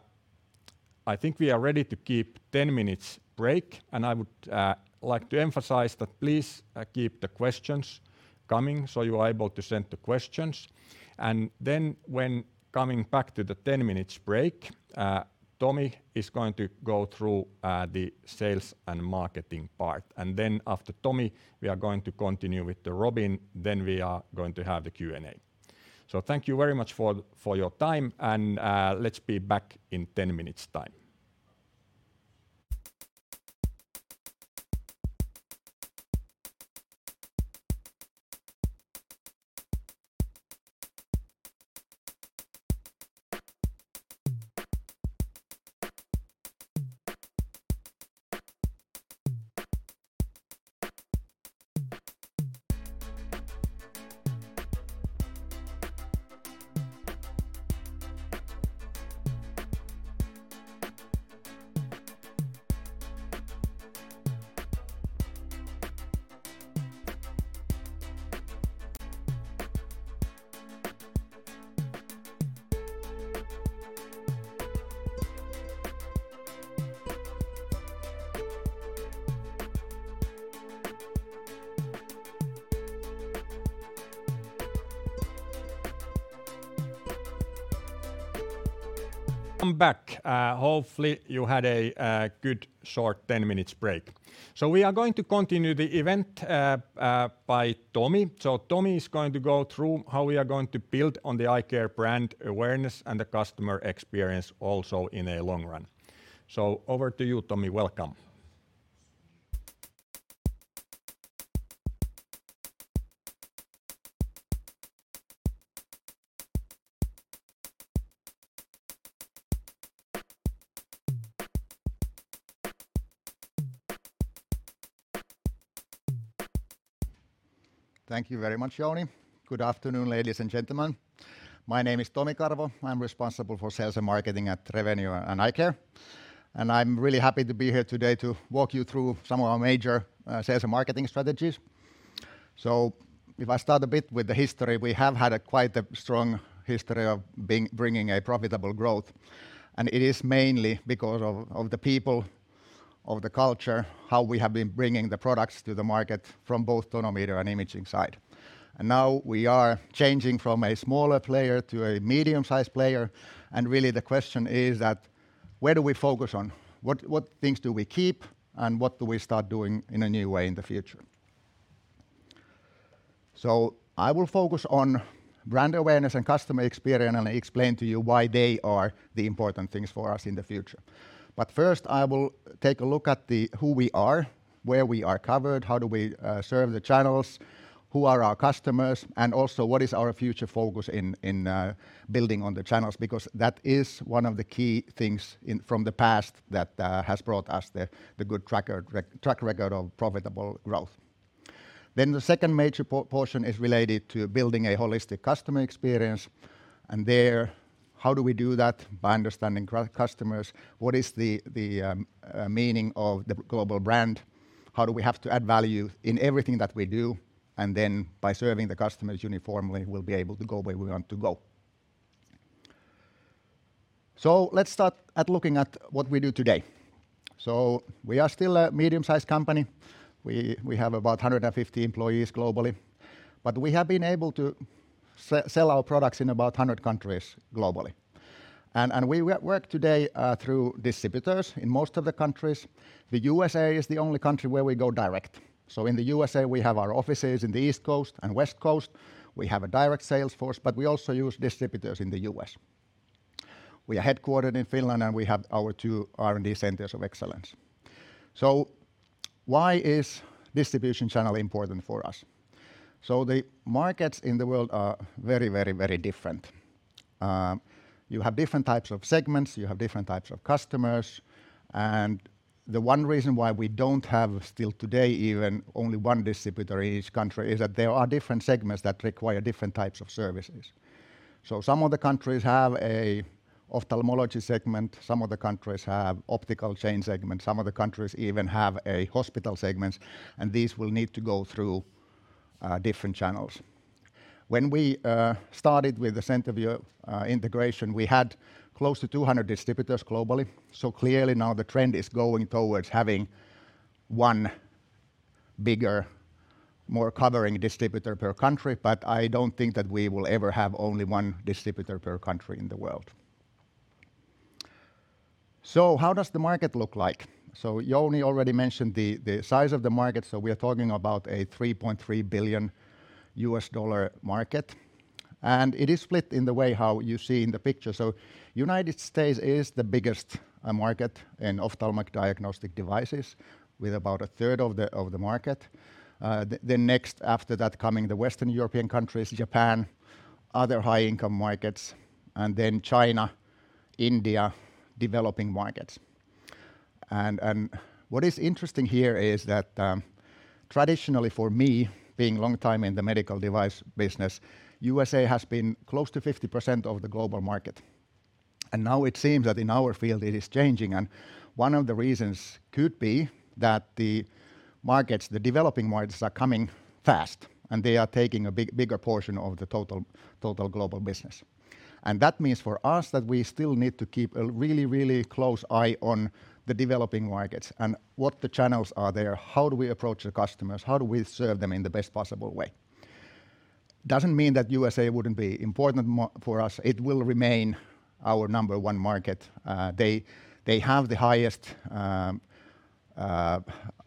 S1: think we are ready to keep 10 minutes break, and I would like to emphasize that please keep the questions coming, so you are able to send the questions. When coming back to the 10 minutes break, Tomi is going to go through the sales and marketing part. After Tomi, we are going to continue with the Robin, then we are going to have the Q&A. Thank you very much for your time, and let's be back in 10 minutes' time. Welcome back. Hopefully, you had a good short 10-minute break. We are going to continue the event by Tomi. Tomi is going to go through how we are going to build on the iCare brand awareness and the customer experience also in a long run. Over to you, Tomi. Welcome.
S3: Thank you very much, Jouni. Good afternoon, ladies and gentlemen. My name is Tomi Karvo. I'm responsible for sales and marketing at Revenio and iCare. I'm really happy to be here today to walk you through some of our major sales and marketing strategies. If I start a bit with the history, we have had a quite strong history of bringing a profitable growth. It is mainly because of the people, of the culture, how we have been bringing the products to the market from both tonometer and imaging side. Now we are changing from a smaller player to a medium-sized player. Really the question is that where do we focus on? What things do we keep? What do we start doing in a new way in the future? I will focus on brand awareness and customer experience, and I explain to you why they are the important things for us in the future. First, I will take a look at the who we are, where we are covered, how do we serve the channels, who are our customers, and also what is our future focus in building on the channels, because that is one of the key things from the past that has brought us the good track record of profitable growth. The second major portion is related to building a holistic customer experience. There, how do we do that? By understanding customers. What is the meaning of the global brand? How do we have to add value in everything that we do? By serving the customers uniformly, we'll be able to go where we want to go. Let's start at looking at what we do today. We are still a medium-sized company. We have about 150 employees globally, but we have been able to sell our products in about 100 countries globally. We work today through distributors in most of the countries. The USA is the only country where we go direct. In the USA, we have our offices in the East Coast and West Coast. We have a direct sales force, but we also use distributors in the U.S. We are headquartered in Finland, and we have our two R&D centers of excellence. Why is distribution channel important for us? The markets in the world are very, very, very different. You have different types of segments. You have different types of customers. The one reason why we don't have still today even only one distributor in each country is that there are different segments that require different types of services. Some of the countries have an ophthalmology segment, some of the countries have optical chain segment, some of the countries even have a hospital segment, and these will need to go through different channels. When we started with the CenterVue integration, we had close to 200 distributors globally. Clearly now the trend is going towards having one bigger, more covering distributor per country. I don't think that we will ever have only one distributor per country in the world. How does the market look like? Jouni already mentioned the size of the market. We are talking about a $3.3 billion market, and it is split in the way how you see in the picture. The U.S. is the biggest market in ophthalmic diagnostic devices with about a third of the market. Next after that coming the Western European countries, Japan, other high-income markets, China, India, developing markets. What is interesting here is that traditionally for me, being long time in the medical device business, the U.S. has been close to 50% of the global market. Now it seems that in our field it is changing, one of the reasons could be that the developing markets are coming fast, and they are taking a bigger portion of the total global business. That means for us that we still need to keep a really, really close eye on the developing markets and what the channels are there, how do we approach the customers, how do we serve them in the best possible way? Doesn't mean that U.S. wouldn't be important for us. It will remain our number one market. They have the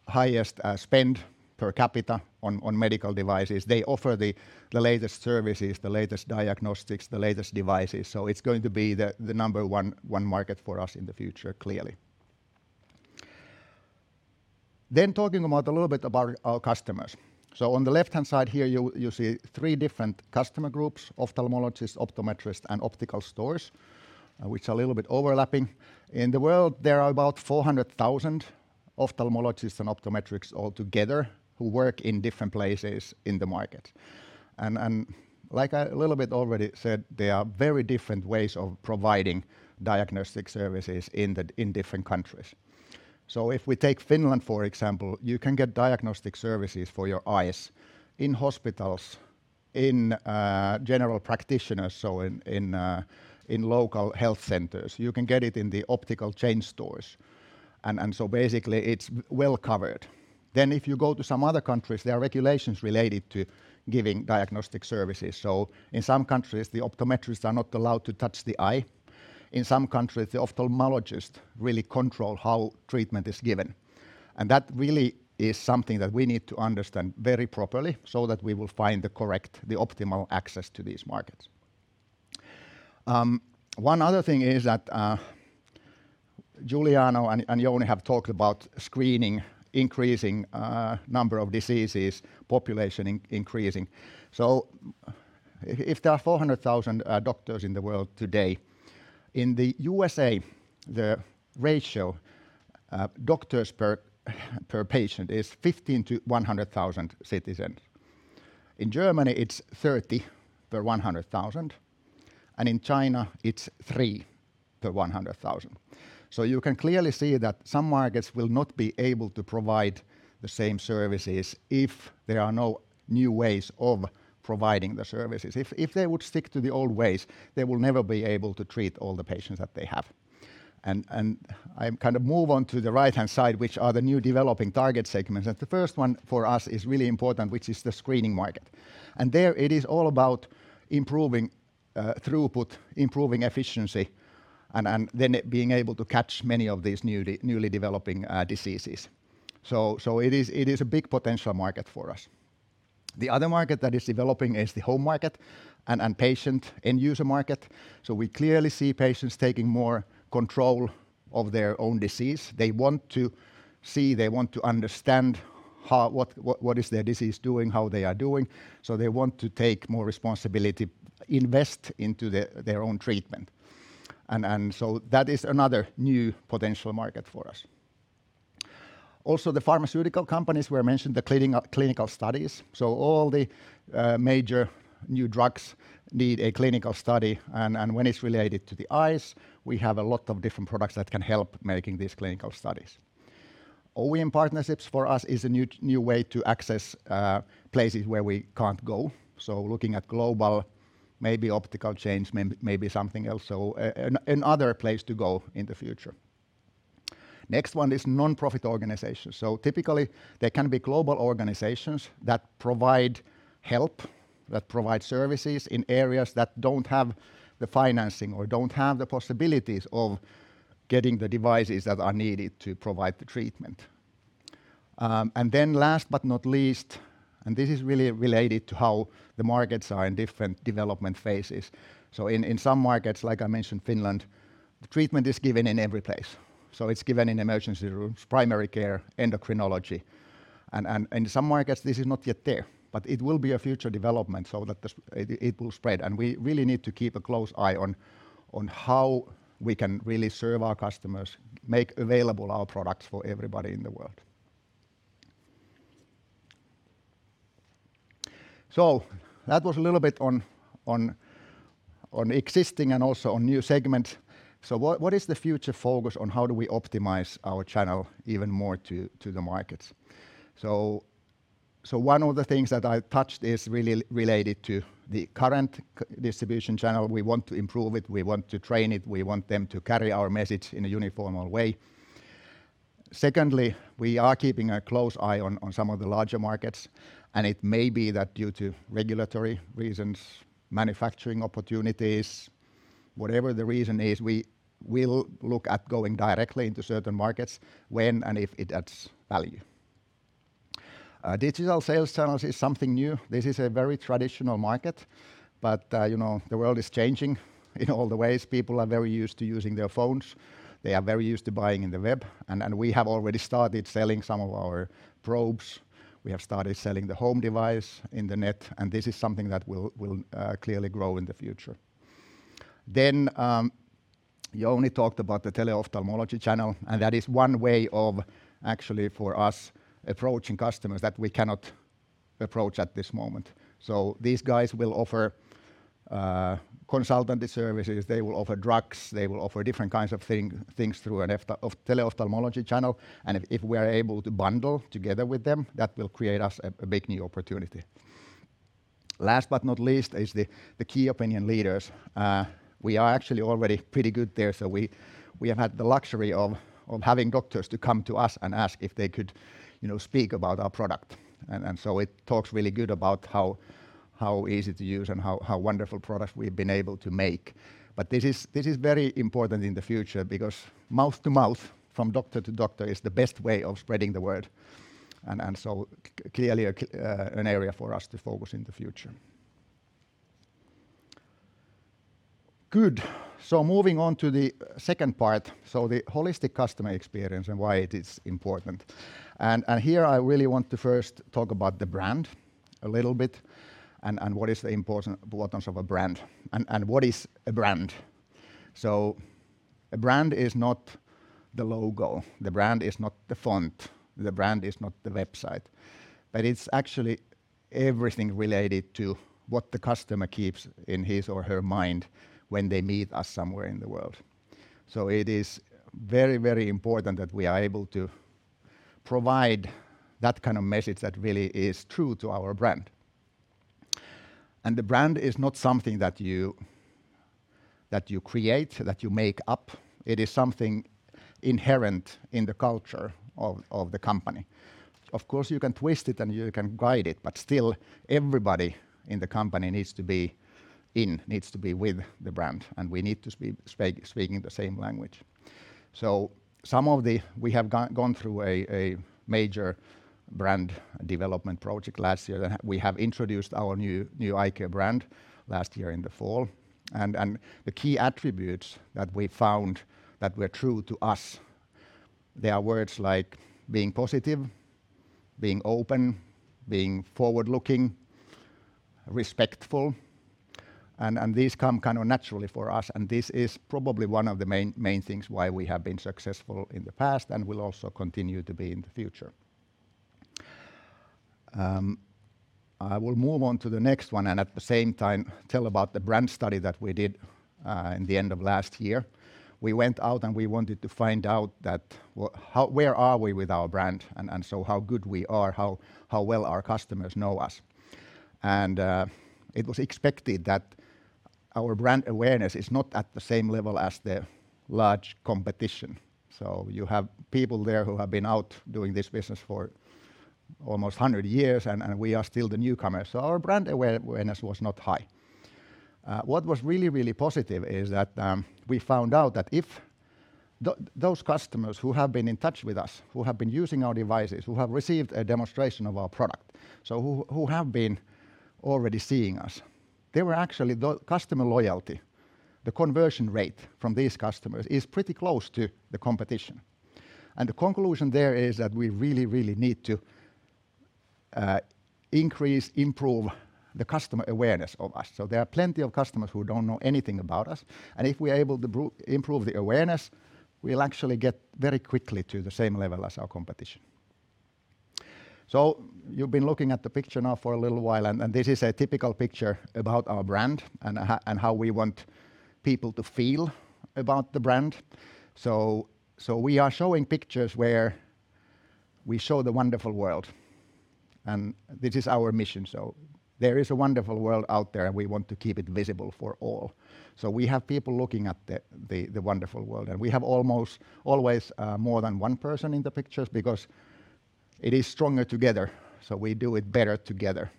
S3: highest spend per capita on medical devices. They offer the latest services, the latest diagnostics, the latest devices. It's going to be the number one market for us in the future, clearly. Talking a little bit about our customers. On the left-hand side here, you see three different customer groups: ophthalmologists, optometrists, and optical stores, which are a little bit overlapping. In the world, there are about 400,000 ophthalmologists and optometrists all together who work in different places in the market. Like I a little bit already said, there are very different ways of providing diagnostic services in different countries. If we take Finland, for example, you can get diagnostic services for your eyes in hospitals, in general practitioners, so in local health centers. You can get it in the optical chain stores. Basically, it's well-covered. If you go to some other countries, there are regulations related to giving diagnostic services. In some countries, the optometrists are not allowed to touch the eye. In some countries, the ophthalmologists really control how treatment is given. That really is something that we need to understand very properly so that we will find the correct, the optimal access to these markets. One other thing is that Giuliano and Jouni have talked about screening, increasing number of diseases, population increasing. If there are 400,000 doctors in the world today, in the U.S., the ratio of doctors per patient is 15 to 100,000 citizens. In Germany, it's 30 per 100,000, and in China, it's three per 100,000. You can clearly see that some markets will not be able to provide the same services if there are no new ways of providing the services. If they would stick to the old ways, they will never be able to treat all the patients that they have. I kind of move on to the right-hand side, which are the new developing target segments. The first one for us is really important, which is the screening market. There it is all about improving throughput, improving efficiency, and then being able to catch many of these newly developing diseases. It is a big potential market for us. The other market that is developing is the home market and patient end-user market. We clearly see patients taking more control of their own disease. They want to see, they want to understand what is their disease doing, how they are doing. They want to take more responsibility, invest into their own treatment. That is another new potential market for us. Also, the pharmaceutical companies were mentioned, the clinical studies. All the major new drugs need a clinical study, and when it's related to the eyes, we have a lot of different products that can help making these clinical studies. OEM partnerships for us is a new way to access places where we can't go. Looking at global, maybe optical chains, maybe something else. Another place to go in the future. Next one is nonprofit organizations. Typically, they can be global organizations that provide help, that provide services in areas that don't have the financing or don't have the possibilities of getting the devices that are needed to provide the treatment. Then last but not least, and this is really related to how the markets are in different development phases. In some markets, like I mentioned Finland, the treatment is given in every place. It's given in emergency rooms, primary care, endocrinology. In some markets, this is not yet there. It will be a future development so that it will spread. We really need to keep a close eye on how we can really serve our customers, make available our products for everybody in the world. That was a little bit on existing and also on new segments. What is the future focus on how do we optimize our channel even more to the markets? One of the things that I touched is really related to the current distribution channel. We want to improve it, we want to train it, we want them to carry our message in a uniform way. Secondly, we are keeping a close eye on some of the larger markets, and it may be that due to regulatory reasons, manufacturing opportunities, whatever the reason is, we will look at going directly into certain markets when and if it adds value. Digital sales channels is something new. This is a very traditional market, but the world is changing in all the ways. People are very used to using their phones. They are very used to buying in the web, and we have already started selling some of our probes. We have started selling the home device on the net. This is something that will clearly grow in the future. Jouni talked about the teleophthalmology channel. That is one way of, actually for us, approaching customers that we cannot approach at this moment. These guys will offer consultancy services, they will offer drugs, they will offer different kinds of things through a teleophthalmology channel. If we are able to bundle together with them, that will create us a big new opportunity. Last but not least is the key opinion leaders. We are actually already pretty good there. We have had the luxury of having doctors to come to us and ask if they could speak about our product. It talks really good about how easy to use and how wonderful product we've been able to make. This is very important in the future because mouth to mouth from doctor to doctor is the best way of spreading the word, clearly an area for us to focus in the future. Good. Moving on to the second part. The holistic customer experience and why it is important. Here I really want to first talk about the brand a little bit and what is the importance of a brand and what is a brand. A brand is not the logo, the brand is not the font, the brand is not the website. It's actually everything related to what the customer keeps in his or her mind when they meet us somewhere in the world. It is very, very important that we are able to provide that kind of message that really is true to our brand. The brand is not something that you create, that you make up. It is something inherent in the culture of the company. Of course, you can twist it and you can guide it, but still everybody in the company needs to be in, needs to be with the brand, and we need to be speaking the same language. We have gone through a major brand development project last year that we have introduced our new iCare brand last year in the fall. The key attributes that we found that were true to us, they are words like being positive, being open, being forward-looking, respectful, and these come kind of naturally for us, and this is probably one of the main things why we have been successful in the past and will also continue to be in the future. I will move on to the next one and at the same time tell about the brand study that we did in the end of last year. We went out and we wanted to find out that where are we with our brand, and so how good we are, how well our customers know us. It was expected that our brand awareness is not at the same level as the large competition. You have people there who have been out doing this business for almost 100 years, and we are still the newcomers. Our brand awareness was not high. What was really, really positive is that we found out that if those customers who have been in touch with us, who have been using our devices, who have received a demonstration of our product, so who have been already seeing us. They were actually the customer loyalty. The conversion rate from these customers is pretty close to the competition. The conclusion there is that we really need to increase, improve the customer awareness of us. There are plenty of customers who don't know anything about us, and if we are able to improve the awareness, we'll actually get very quickly to the same level as our competition. You've been looking at the picture now for a little while, and this is a typical picture about our brand and how we want people to feel about the brand. We are showing pictures where we show the wonderful world, and this is our mission. There is a wonderful world out there, and we want to keep it visible for all. We have people looking at the wonderful world, and we have almost always more than one person in the pictures because it is stronger together. We do it better together.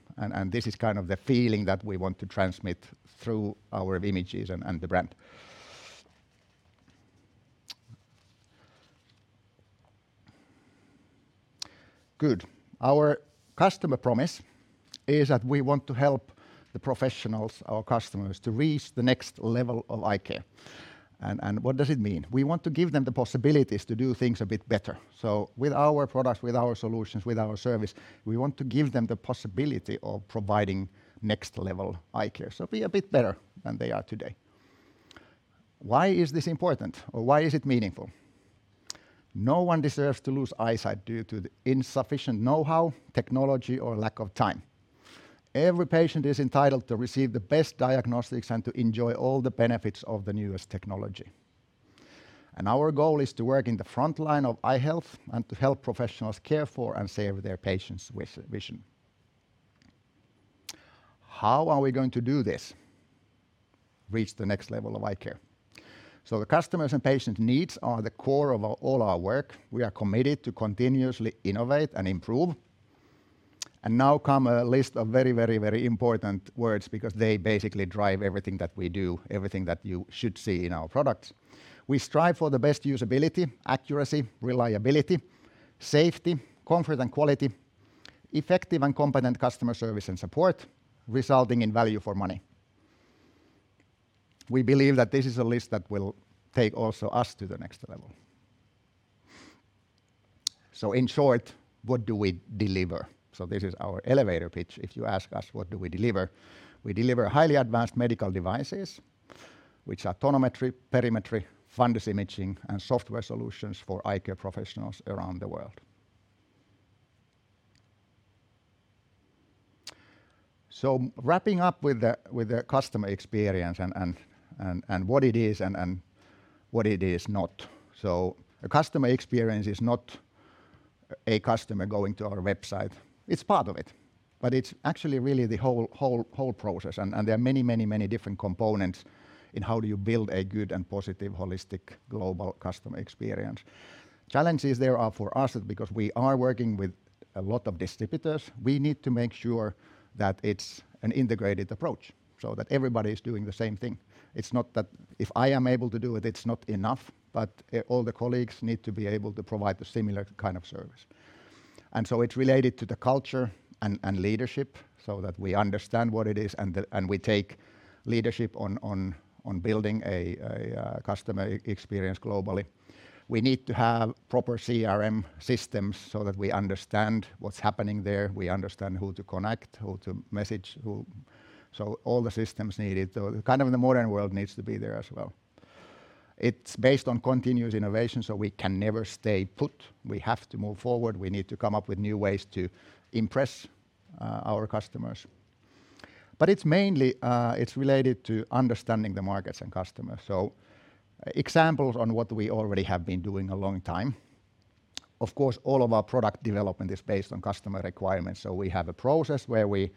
S3: This is kind of the feeling that we want to transmit through our images and the brand. Good. Our customer promise is that we want to help the professionals, our customers, to reach the next level of eye care. What does it mean? We want to give them the possibilities to do things a bit better. With our products, with our solutions, with our service, we want to give them the possibility of providing next level eye care. Be a bit better than they are today. Why is this important or why is it meaningful? No one deserves to lose eyesight due to the insufficient know-how, technology, or lack of time. Every patient is entitled to receive the best diagnostics and to enjoy all the benefits of the newest technology. Our goal is to work in the front line of eye health and to help professionals care for and save their patients with vision. How are we going to do this? Reach the next level of eye care. The customers and patients' needs are the core of all our work. We are committed to continuously innovate and improve. Now come a list of very important words because they basically drive everything that we do, everything that you should see in our products. We strive for the best usability, accuracy, reliability, safety, comfort, and quality, effective and competent customer service and support, resulting in value for money. We believe that this is a list that will take also us to the next level. In short, what do we deliver? This is our elevator pitch. If you ask us, what do we deliver? We deliver highly advanced medical devices, which are tonometry, perimetry, fundus imaging, and software solutions for eye care professionals around the world. Wrapping up with the customer experience and what it is and what it is not. A customer experience is not a customer going to our website. It's part of it, but it's actually really the whole process. There are many different components in how do you build a good and positive, holistic, global customer experience. Challenges there are for us because we are working with a lot of distributors. We need to make sure that it's an integrated approach so that everybody's doing the same thing. It's not that if I am able to do it's not enough, but all the colleagues need to be able to provide the similar kind of service. It's related to the culture and leadership so that we understand what it is and we take leadership on building a customer experience globally. We need to have proper CRM systems so that we understand what's happening there, we understand who to connect, who to message. All the systems needed. Kind of the modern world needs to be there as well. It's based on continuous innovation, so we can never stay put. We have to move forward. We need to come up with new ways to impress our customers. It's mainly, it's related to understanding the markets and customers. Examples on what we already have been doing a long time. Of course, all of our product development is based on customer requirements. We have a process where we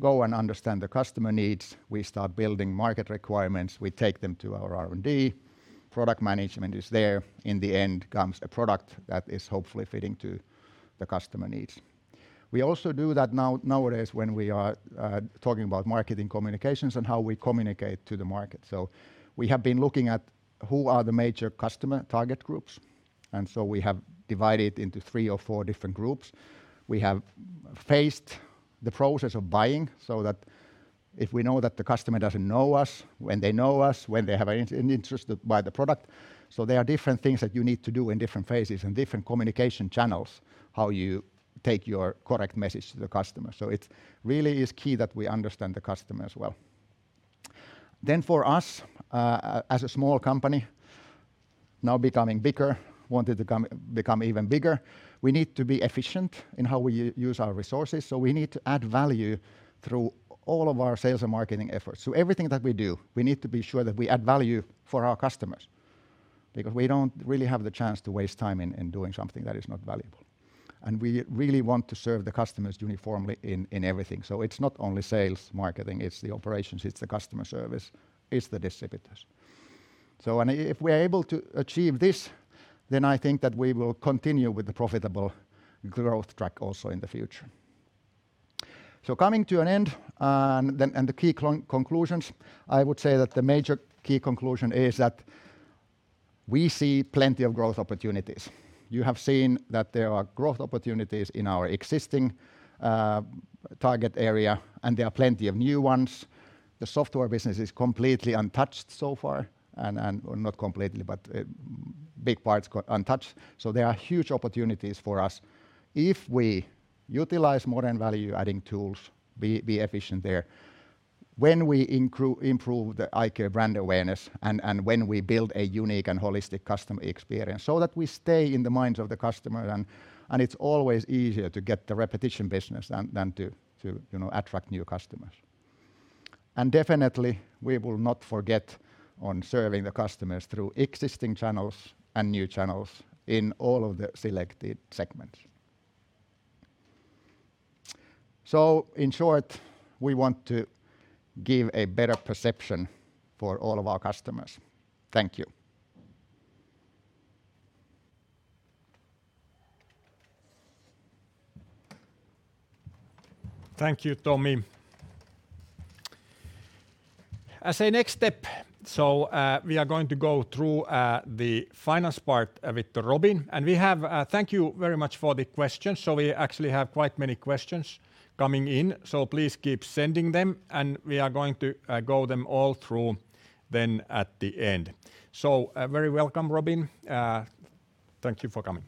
S3: go and understand the customer needs. We start building market requirements. We take them to our R&D. Product management is there. In the end comes a product that is hopefully fitting to the customer needs. We also do that nowadays when we are talking about marketing communications and how we communicate to the market. We have been looking at who are the major customer target groups, and so we have divided into three or four different groups. We have faced the process of buying so that if we know that the customer doesn't know us, when they know us, when they have an interest to buy the product. There are different things that you need to do in different phases and different communication channels, how you take your correct message to the customer. It really is key that we understand the customer as well. For us, as a small company, now becoming bigger, want to become even bigger. We need to be efficient in how we use our resources. We need to add value through all of our sales and marketing efforts. Everything that we do, we need to be sure that we add value for our customers because we don't really have the chance to waste time in doing something that is not valuable. We really want to serve the customers uniformly in everything. It's not only sales, marketing, it's the operations, it's the customer service, it's the distributors. If we're able to achieve this, then I think that we will continue with the profitable growth track also in the future. Coming to an end, and the key conclusions, I would say that the major key conclusion is that we see plenty of growth opportunities. You have seen that there are growth opportunities in our existing target area, and there are plenty of new ones. The software business is completely untouched so far, or not completely, but big parts untouched. There are huge opportunities for us if we utilize modern value-adding tools, be efficient there. When we improve the iCare brand awareness and when we build a unique and holistic customer experience so that we stay in the minds of the customer and it's always easier to get the repetition business than to attract new customers. Definitely, we will not forget on serving the customers through existing channels and new channels in all of the selected segments. In short, we want to give a better perception for all of our customers. Thank you.
S1: Thank you, Tomi. As a next step, we are going to go through the finance part with Robin. Thank you very much for the questions. We actually have quite many questions coming in. Please keep sending them, and we are going to go them all through then at the end. Very welcome, Robin. Thank you for coming.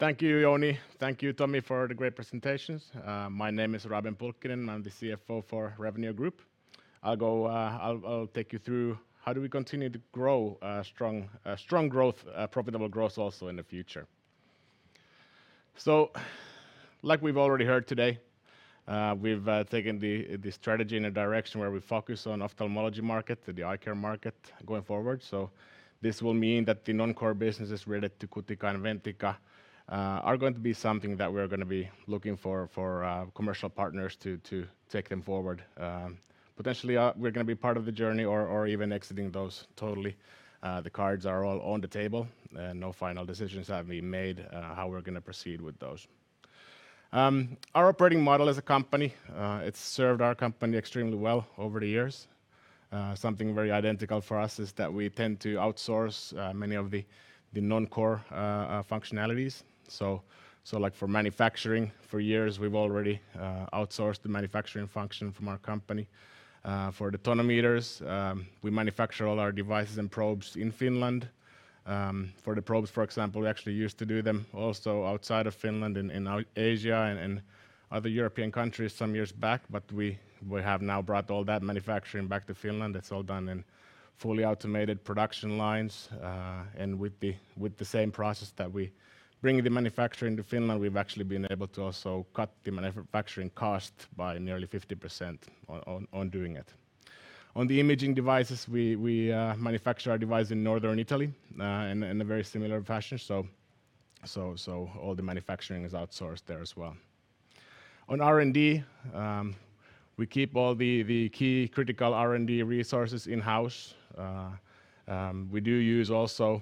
S4: Okay. Thank you, Jouni. Thank you, Tomi, for the great presentations. My name is Robin Pulkkinen, I'm the CFO for Revenio Group. I'll take you through how do we continue to grow strong growth, profitable growth also in the future. Like we've already heard today, we've taken the strategy in a direction where we focus on ophthalmology market, the eye care market going forward. This will mean that the non-core businesses related to Cutica and Ventica are going to be something that we're going to be looking for commercial partners to take them forward. Potentially, we're going to be part of the journey or even exiting those totally. The cards are all on the table. No final decisions have been made how we're going to proceed with those. Our operating model as a company it's served our company extremely well over the years. Something very identical for us is that we tend to outsource many of the non-core functionalities. For manufacturing, for years, we've already outsourced the manufacturing function from our company. For the tonometers, we manufacture all our devices and probes in Finland. For the probes, for example, we actually used to do them also outside of Finland in Asia and other European countries some years back. We have now brought all that manufacturing back to Finland. It's all done in fully automated production lines. With the same process that we bring the manufacturing to Finland, we've actually been able to also cut the manufacturing cost by nearly 50% on doing it. On the imaging devices, we manufacture our device in Northern Italy, in a very similar fashion. All the manufacturing is outsourced there as well. On R&D, we keep all the key critical R&D resources in-house. We do use also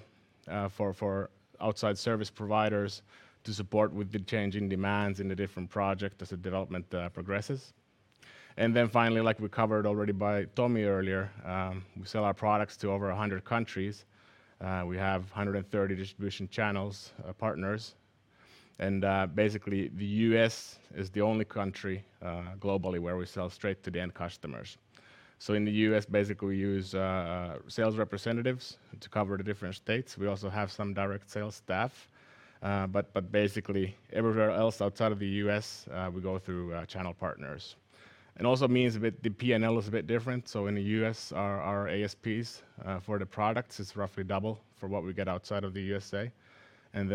S4: for outside service providers to support with the changing demands in the different project as the development progresses. Finally, like we covered already by Tomi earlier, we sell our products to over 100 countries. We have 130 distribution channels, partners. Basically, the U.S. is the only country globally where we sell straight to the end customers. In the U.S., basically, we use sales representatives to cover the different states. We also have some direct sales staff. Basically everywhere else outside of the U.S., we go through channel partners. Also means the P&L is a bit different. In the U.S., our ASPs for the products is roughly double for what we get outside of the U.S.A.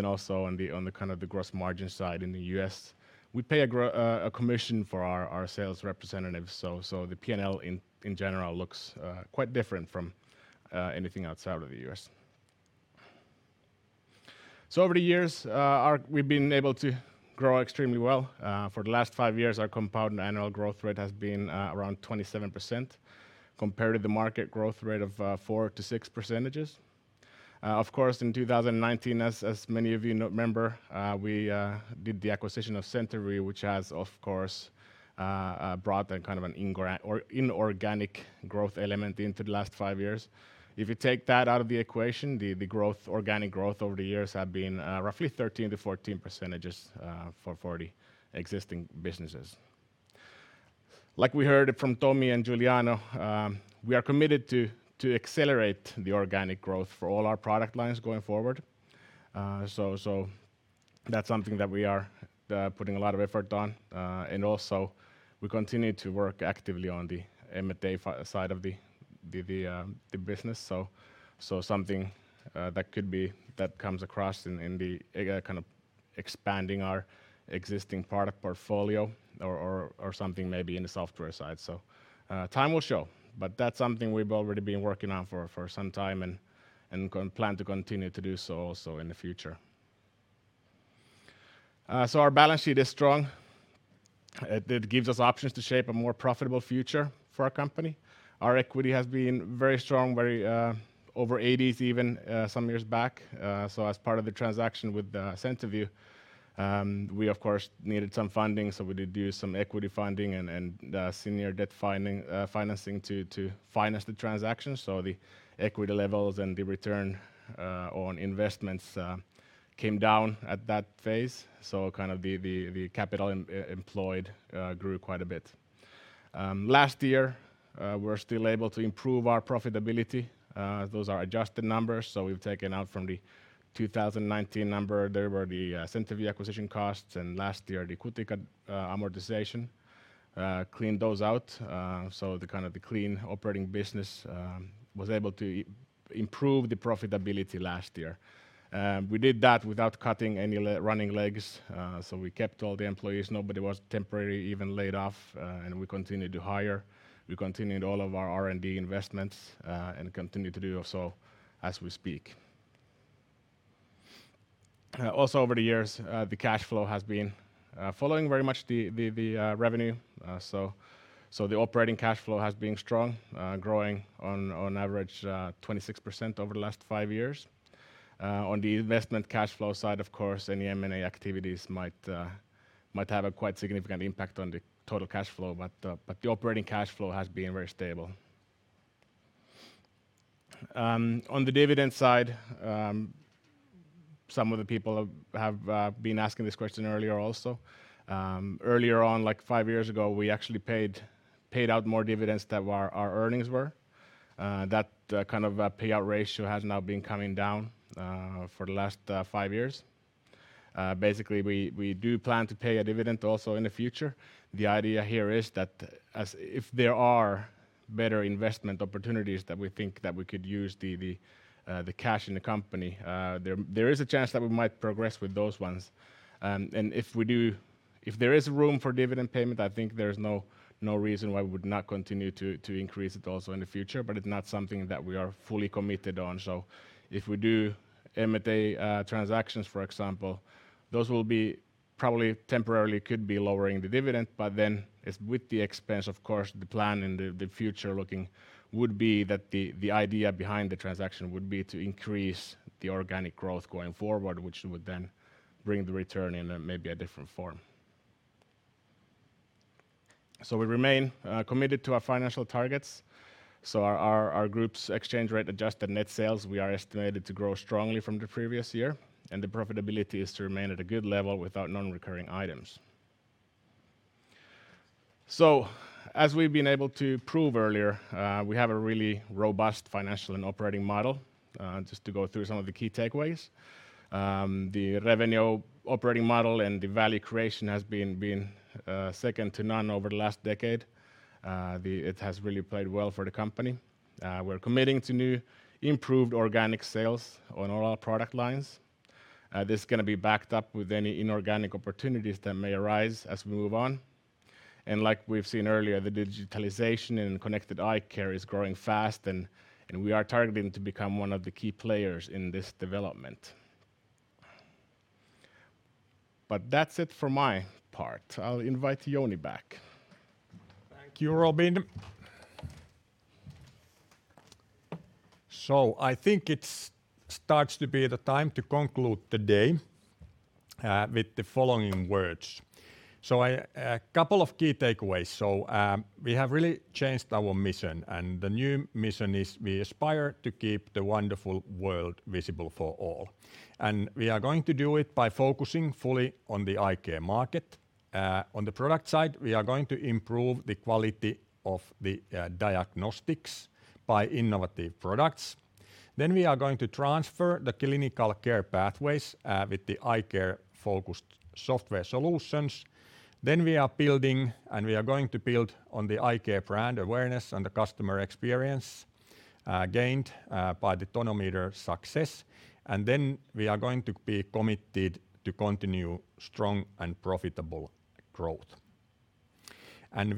S4: Also on the gross margin side in the U.S., we pay a commission for our sales representatives. The P&L in general looks quite different from anything outside of the U.S. Over the years, we've been able to grow extremely well. For the last five years, our compound annual growth rate has been around 27%, compared to the market growth rate of 4%-6%. Of course, in 2019, as many of you remember, we did the acquisition of CenterVue, which has, of course, brought that kind of an inorganic growth element into the last five years. If you take that out of the equation, the organic growth over the years have been roughly 13%-14% for the existing businesses. Like we heard from Tomi and Giuliano, we are committed to accelerate the organic growth for all our product lines going forward. That's something that we are putting a lot of effort on. Also, we continue to work actively on the M&A side of the business. Something that comes across in the expanding our existing product portfolio or something maybe in the software side. Time will show, but that's something we've already been working on for some time and plan to continue to do so also in the future. Our balance sheet is strong. It gives us options to shape a more profitable future for our company. Our equity has been very strong, over 80s even some years back. As part of the transaction with CenterVue, we of course, needed some funding, so we did do some equity funding and senior debt financing to finance the transaction. The equity levels and the return on investments came down at that phase. The capital employed grew quite a bit. Last year, we were still able to improve our profitability. Those are adjusted numbers. We've taken out from the 2019 number there were the CenterVue acquisition costs, and last year, the Cutica amortization. Cleaned those out. The clean operating business was able to improve the profitability last year. We did that without cutting any running legs. We kept all the employees. Nobody was temporarily even laid off, and we continued to hire. We continued all of our R&D investments, and continue to do so as we speak. Also over the years, the cash flow has been following very much the revenue. The operating cash flow has been strong, growing on average 26% over the last five years. On the investment cash flow side, of course, any M&A activities might have a quite significant impact on the total cash flow. The operating cash flow has been very stable. On the dividend side, some of the people have been asking this question earlier also. Earlier on, like five years ago, we actually paid out more dividends than our earnings were. That kind of payout ratio has now been coming down for the last five years. Basically, we do plan to pay a dividend also in the future. The idea here is that if there are better investment opportunities that we think that we could use the cash in the company, there is a chance that we might progress with those ones. If there is room for dividend payment, I think there's no reason why we would not continue to increase it also in the future, but it's not something that we are fully committed on. If we do M&A transactions, for example, those will be probably temporarily could be lowering the dividend. With the expense, of course, the plan in the future looking would be that the idea behind the transaction would be to increase the organic growth going forward, which would then bring the return in maybe a different form. We remain committed to our financial targets. Our group's exchange rate adjusted net sales, we are estimated to grow strongly from the previous year, and the profitability is to remain at a good level without non-recurring items. As we've been able to prove earlier, we have a really robust financial and operating model. Just to go through some of the key takeaways. The Revenio operating model and the value creation has been second to none over the last decade. It has really played well for the company. We're committing to new improved organic sales on all our product lines. This is going to be backed up with any inorganic opportunities that may arise as we move on. Like we've seen earlier, the digitalization and connected eye care is growing fast and we are targeting to become one of the key players in this development. That's it for my part. I'll invite Jouni back.
S1: Thank you, Robin. I think it starts to be the time to conclude the day with the following words. A couple of key takeaways. We have really changed our mission, and the new mission is we aspire to keep the wonderful world visible for all, and we are going to do it by focusing fully on the eye care market. On the product side, we are going to improve the quality of the diagnostics by innovative products. We are going to transfer the clinical care pathways with the eye care-focused software solutions. We are building and we are going to build on the eye care brand awareness and the customer experience gained by the tonometer success. We are going to be committed to continue strong and profitable growth.